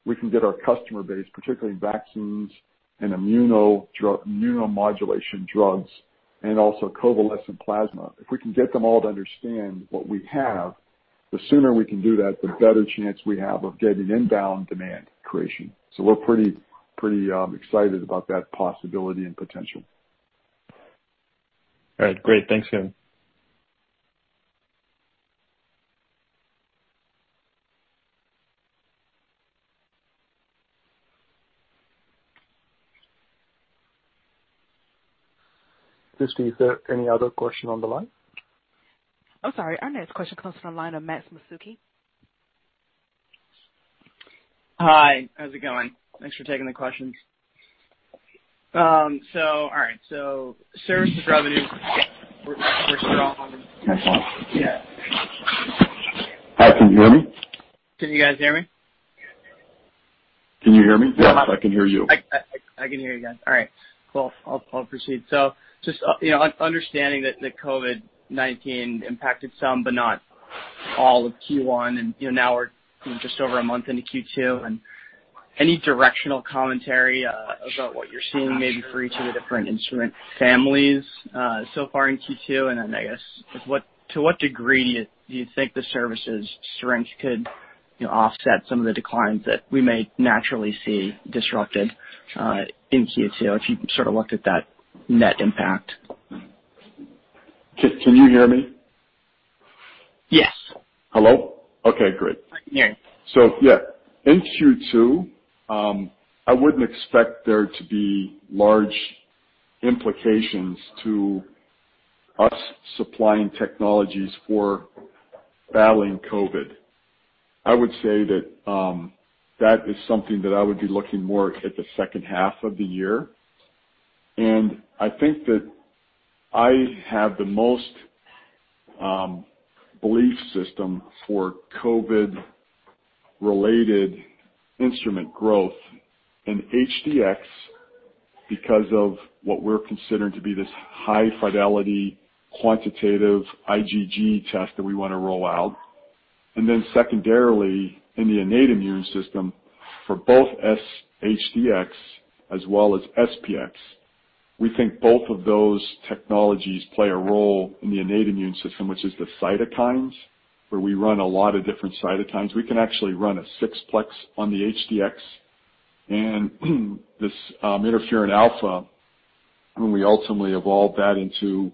we can get our customer base, particularly in vaccines and immunomodulation drugs and also convalescent plasma, if we can get them all to understand what we have, the sooner we can do that, the better chance we have of getting inbound demand creation. We're pretty excited about that possibility and potential. All right. Great. Thanks, Tim. Christy, is there any other question on the line? I'm sorry. Our next question comes from the line of Max Masucci. Hi, how's it going? Thanks for taking the questions. All right. Services revenue for Q1. Hi, can you hear me? Can you guys hear me? Can you hear me? Yes, I can hear you. I can hear you guys. All right. Cool. I'll proceed. Just understanding that COVID-19 impacted some but not all of Q1, and now we're just over a month into Q2, any directional commentary about what you're seeing maybe for each of the different instrument families so far in Q2? Then I guess, to what degree do you think the services strength could offset some of the declines that we may naturally see disrupted in Q2, if you sort of looked at that net impact? Can you hear me? Yes. Hello? Okay, great. I can hear you. Yeah. In Q2, I wouldn't expect there to be large implications to us supplying technologies for battling COVID. I would say that is something that I would be looking more at the second half of the year. I think that I have the most belief system for COVID-related instrument growth in HD-X because of what we're considering to be this high fidelity quantitative IgG test that we want to roll out. Then secondarily, in the innate immune system for both HD-X as well as SP-X. We think both of those technologies play a role in the innate immune system, which is the cytokines, where we run a lot of different cytokines. We can actually run a 6-plex on the HD-X and this interferon alpha, when we ultimately evolve that into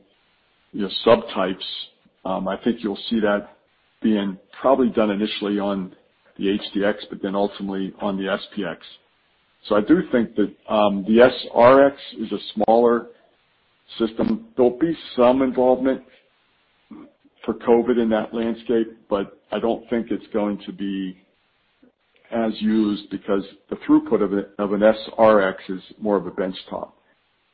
subtypes, I think you'll see that being probably done initially on the HD-X, but then ultimately on the SP-X. I do think that the SR-X is a smaller system. There'll be some involvement for COVID in that landscape, but I don't think it's going to be as used because the throughput of an SR-X is more of a bench top.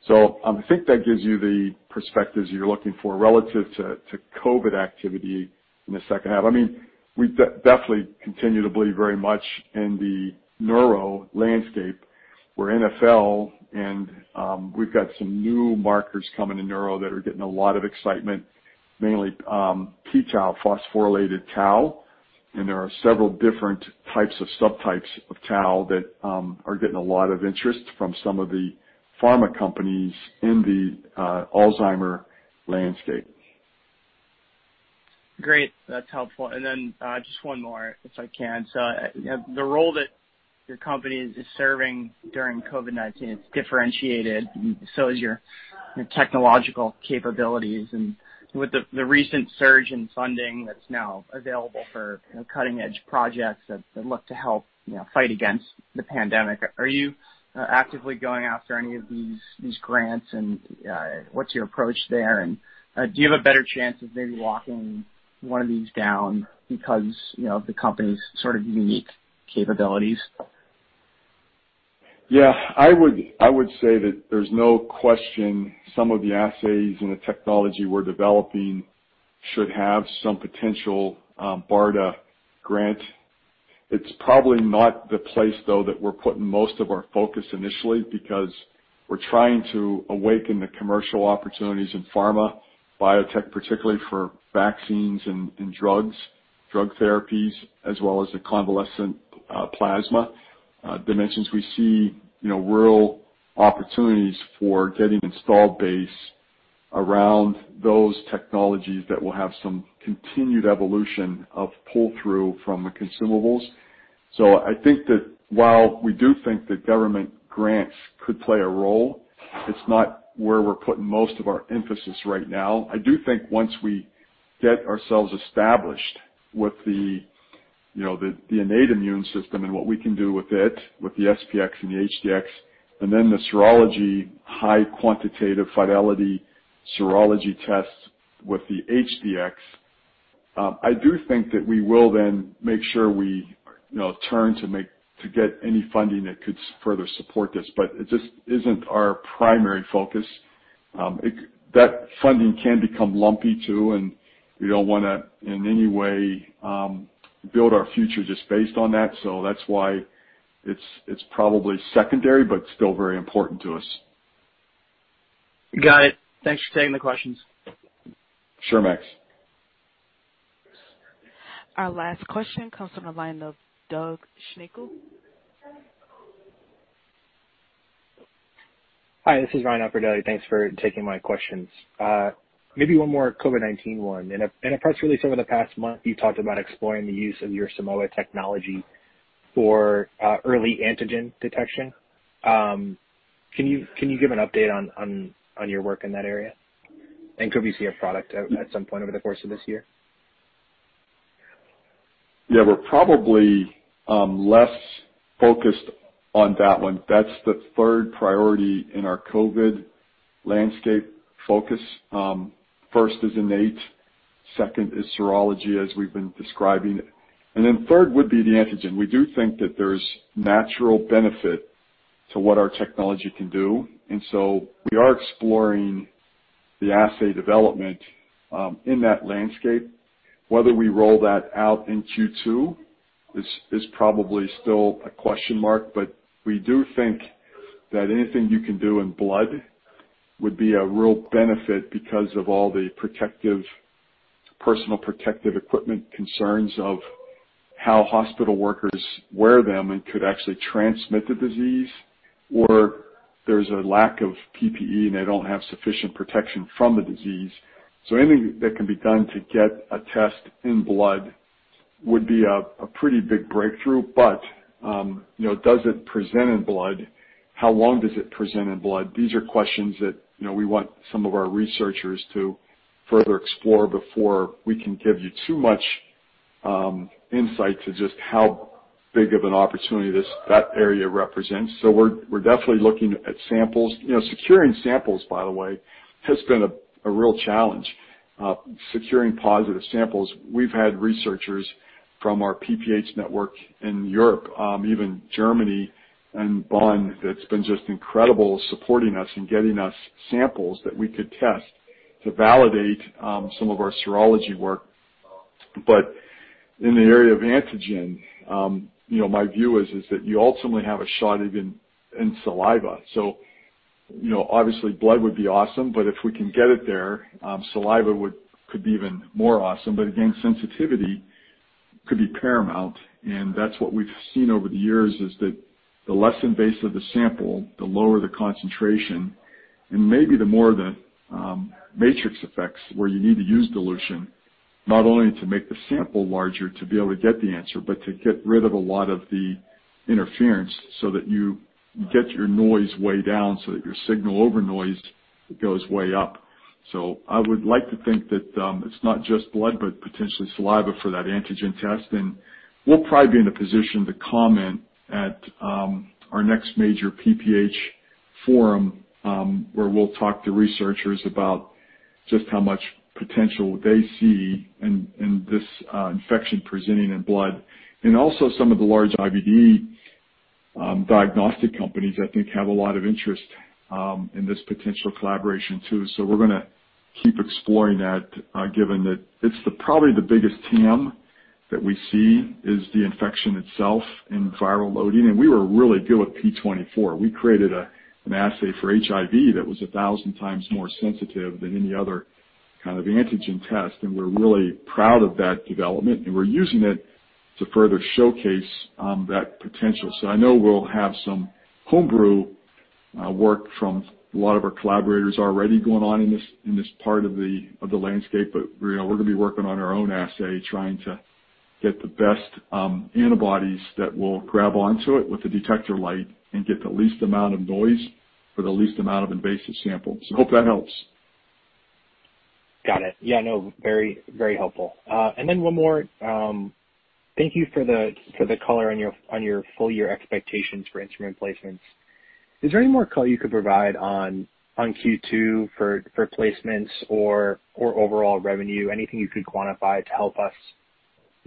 I think that gives you the perspectives you're looking for relative to COVID activity in the second half. We definitely continue to believe very much in the neuro landscape where NfL and we've got some new markers coming in neuro that are getting a lot of excitement, mainly p-tau, phosphorylated tau, and there are several different types of subtypes of tau that are getting a lot of interest from some of the pharma companies in the Alzheimer's landscape. Great. That's helpful. Just one more if I can. The role that your company is serving during COVID-19, it's differentiated and so is your technological capabilities. With the recent surge in funding that's now available for cutting-edge projects that look to help fight against the pandemic, are you actively going after any of these grants and what's your approach there? Do you have a better chance of maybe locking one of these down because of the company's sort of unique capabilities? Yeah, I would say that there's no question some of the assays and the technology we're developing should have some potential BARDA grant. It's probably not the place, though, that we're putting most of our focus initially because we're trying to awaken the commercial opportunities in pharma, biotech, particularly for vaccines and drug therapies, as well as the convalescent plasma dimensions. We see real opportunities for getting install base around those technologies that will have some continued evolution of pull-through from the consumables. I think that while we do think that government grants could play a role, it's not where we're putting most of our emphasis right now. I do think once we get ourselves established with the innate immune system and what we can do with it, with the SP-X and the HD-X, and then the serology, high quantitative fidelity serology tests with the HD-X. I do think that we will then make sure we turn to get any funding that could further support this. It just isn't our primary focus. That funding can become lumpy too, and we don't want to in any way build our future just based on that. That's why it's probably secondary, but still very important to us. Got it. Thanks for taking the questions. Sure, Max. Our last question comes from the line of Doug Schenkel. Hi, this is Ryan Blicker. Thanks for taking my questions. Maybe one more COVID-19 one. In a press release over the past month, you talked about exploring the use of your Simoa technology for early antigen detection. Can you give an update on your work in that area? Could we see a product at some point over the course of this year? Yeah, we're probably less focused on that one. That's the third priority in our COVID landscape focus. First is innate, second is serology as we've been describing, third would be the antigen. We do think that there's natural benefit to what our technology can do, we are exploring the assay development in that landscape. Whether we roll that out in Q2 is probably still a question mark. We do think that anything you can do in blood would be a real benefit because of all the personal protective equipment concerns of how hospital workers wear them and could actually transmit the disease. There's a lack of PPE, and they don't have sufficient protection from the disease. Anything that can be done to get a test in blood would be a pretty big breakthrough. Does it present in blood? How long does it present in blood? These are questions that we want some of our researchers to further explore before we can give you too much insight to just how big of an opportunity that area represents. We're definitely looking at samples. Securing samples, by the way, has been a real challenge. Securing positive samples. We've had researchers from our PPH network in Europe, even Germany and Bonn, that's been just incredible supporting us and getting us samples that we could test to validate some of our serology work. In the area of antigen, my view is that you ultimately have a shot even in saliva. Obviously blood would be awesome, but if we can get it there, saliva could be even more awesome. Again, sensitivity could be paramount, and that's what we've seen over the years, is that the less invasive the sample, the lower the concentration, and maybe the more the matrix effects where you need to use dilution, not only to make the sample larger to be able to get the answer, but to get rid of a lot of the interference so that you get your noise way down so that your signal over noise goes way up. I would like to think that it's not just blood, but potentially saliva for that antigen test. We'll probably be in a position to comment at our next major PPH forum, where we'll talk to researchers about just how much potential they see in this infection presenting in blood. Also some of the large IVD diagnostic companies, I think, have a lot of interest in this potential collaboration too. We're going to keep exploring that, given that it's probably the biggest TAM that we see is the infection itself in viral loading. We were really good with p24. We created an assay for HIV that was 1,000x more sensitive than any other antigen test. We're really proud of that development, and we're using it to further showcase that potential. I know we'll have some homebrew work from a lot of our collaborators already going on in this part of the landscape. We're going to be working on our own assay, trying to get the best antibodies that will grab onto it with the detector light and get the least amount of noise for the least amount of invasive sample. Hope that helps. Got it. Yeah, no, very helpful. Then one more. Thank you for the color on your full-year expectations for instrument placements. Is there any more color you could provide on Q2 for placements or overall revenue? Anything you could quantify to help us?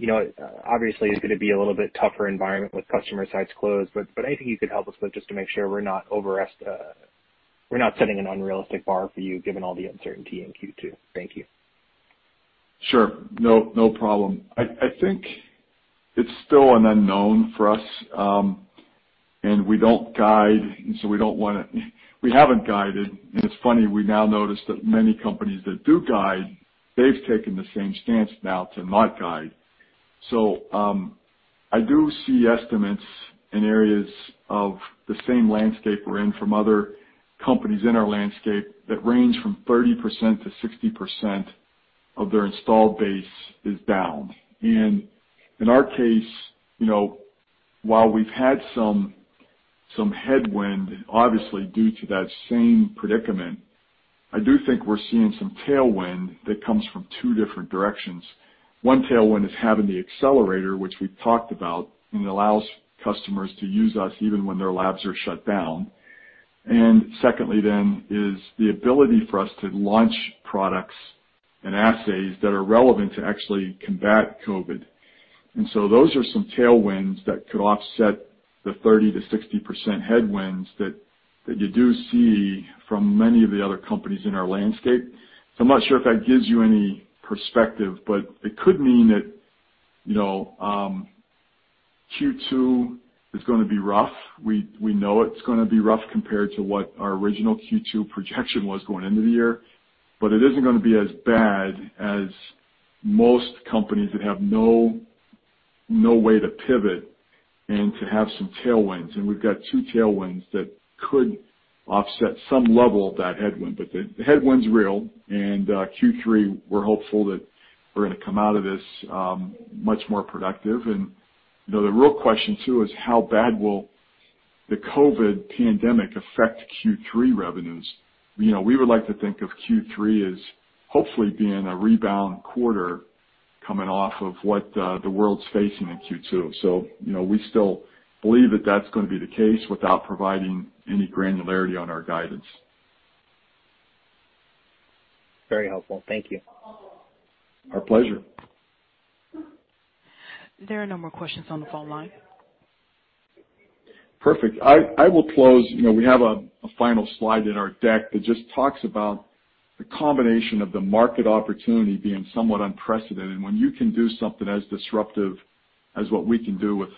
Obviously, it's going to be a little bit tougher environment with customer sites closed, but anything you could help us with just to make sure we're not setting an unrealistic bar for you given all the uncertainty in Q2. Thank you. Sure. No problem. I think it's still an unknown for us. We don't guide, so we haven't guided, and it's funny, we now notice that many companies that do guide, they've taken the same stance now to not guide. I do see estimates in areas of the same landscape we're in from other companies in our landscape that range from 30%-60% of their installed base is down. In our case, while we've had some headwind, obviously due to that same predicament, I do think we're seeing some tailwind that comes from two different directions. One tailwind is having the Accelerator, which we've talked about, and allows customers to use us even when their labs are shut down. Secondly is the ability for us to launch products and assays that are relevant to actually combat COVID. Those are some tailwinds that could offset the 30%-60% headwinds that you do see from many of the other companies in our landscape. I'm not sure if that gives you any perspective, but it could mean that Q2 is going to be rough. We know it's going to be rough compared to what our original Q2 projection was going into the year, but it isn't going to be as bad as most companies that have no way to pivot and to have some tailwinds. We've got two tailwinds that could offset some level of that headwind. The headwind's real, and Q3, we're hopeful that we're going to come out of this much more productive. The real question, too, is how bad will the COVID pandemic affect Q3 revenues? We would like to think of Q3 as hopefully being a rebound quarter coming off of what the world's facing in Q2. We still believe that that's going to be the case without providing any granularity on our guidance. Very helpful. Thank you. Our pleasure. There are no more questions on the phone line. Perfect. I will close. We have a final slide in our deck that just talks about the combination of the market opportunity being somewhat unprecedented. When you can do something as disruptive as what we can do with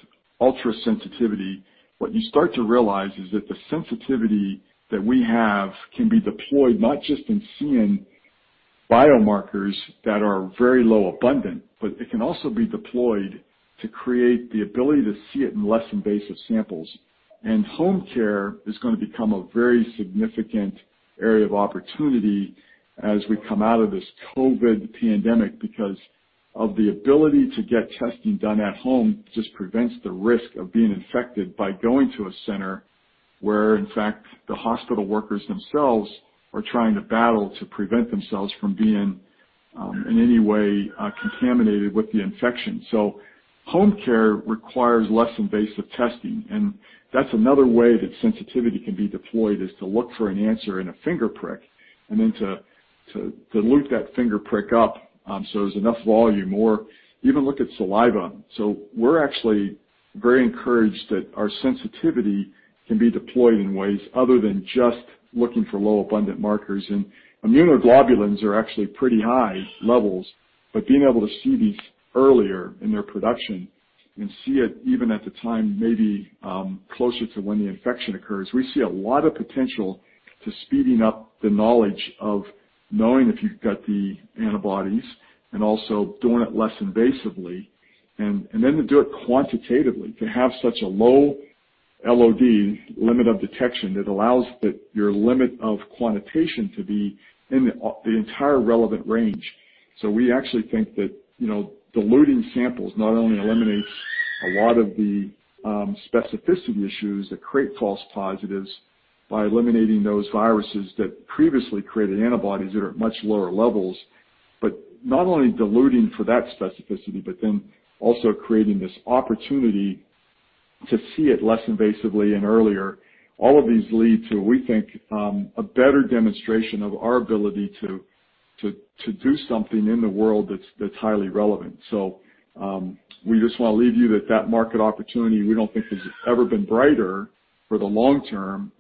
ultra-sensitivity, what you start to realize is that the sensitivity that we have can be deployed not just in seeing biomarkers that are very low abundant, but it can also be deployed to create the ability to see it in less invasive samples. Home care is going to become a very significant area of opportunity as we come out of this COVID-19 pandemic, because of the ability to get testing done at home just prevents the risk of being infected by going to a center where, in fact, the hospital workers themselves are trying to battle to prevent themselves from being, in any way, contaminated with the infection. Home care requires less invasive testing, and that's another way that sensitivity can be deployed, is to look for an answer in a finger prick, and then to elute that finger prick up so there's enough volume or even look at saliva. We're actually very encouraged that our sensitivity can be deployed in ways other than just looking for low abundant markers. Immunoglobulins are actually pretty high levels, but being able to see these earlier in their production and see it even at the time maybe closer to when the infection occurs. We see a lot of potential to speeding up the knowledge of knowing if you've got the antibodies and also doing it less invasively. Then to do it quantitatively, to have such a low LOD, limit of detection, that allows your limit of quantitation to be in the entire relevant range. We actually think that diluting samples not only eliminates a lot of the specificity issues that create false positives by eliminating those viruses that previously created antibodies that are at much lower levels. Not only diluting for that specificity, but then also creating this opportunity to see it less invasively and earlier. All of these lead to, we think, a better demonstration of our ability to do something in the world that's highly relevant. We just want to leave you with that market opportunity we don't think has ever been brighter for the long term.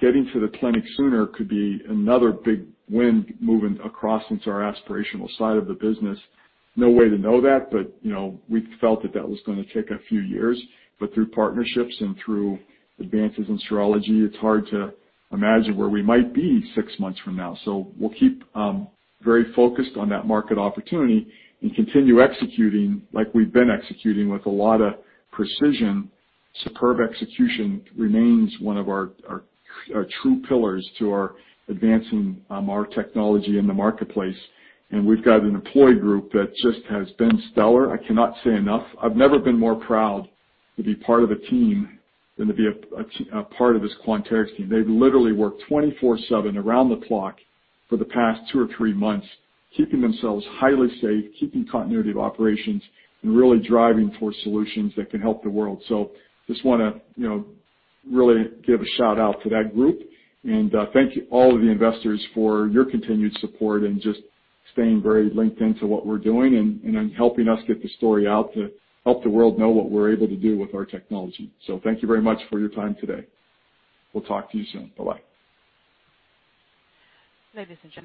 Getting to the clinic sooner could be another big win moving across into our aspirational side of the business. No way to know that, but we felt that that was going to take a few years. Through partnerships and through advances in serology, it's hard to imagine where we might be six months from now. We'll keep very focused on that market opportunity and continue executing like we've been executing with a lot of precision. Superb execution remains one of our true pillars to advancing our technology in the marketplace. We've got an employee group that just has been stellar. I cannot say enough. I've never been more proud to be part of a team than to be a part of this Quanterix team. They've literally worked 24/7 around the clock for the past two or three months, keeping themselves highly safe, keeping continuity of operations, and really driving for solutions that can help the world. Just want to really give a shout-out to that group. Thank you, all of the investors, for your continued support and just staying very linked into what we're doing and in helping us get the story out to help the world know what we're able to do with our technology. Thank you very much for your time today. We'll talk to you soon. Bye-bye. Ladies and gentlemen.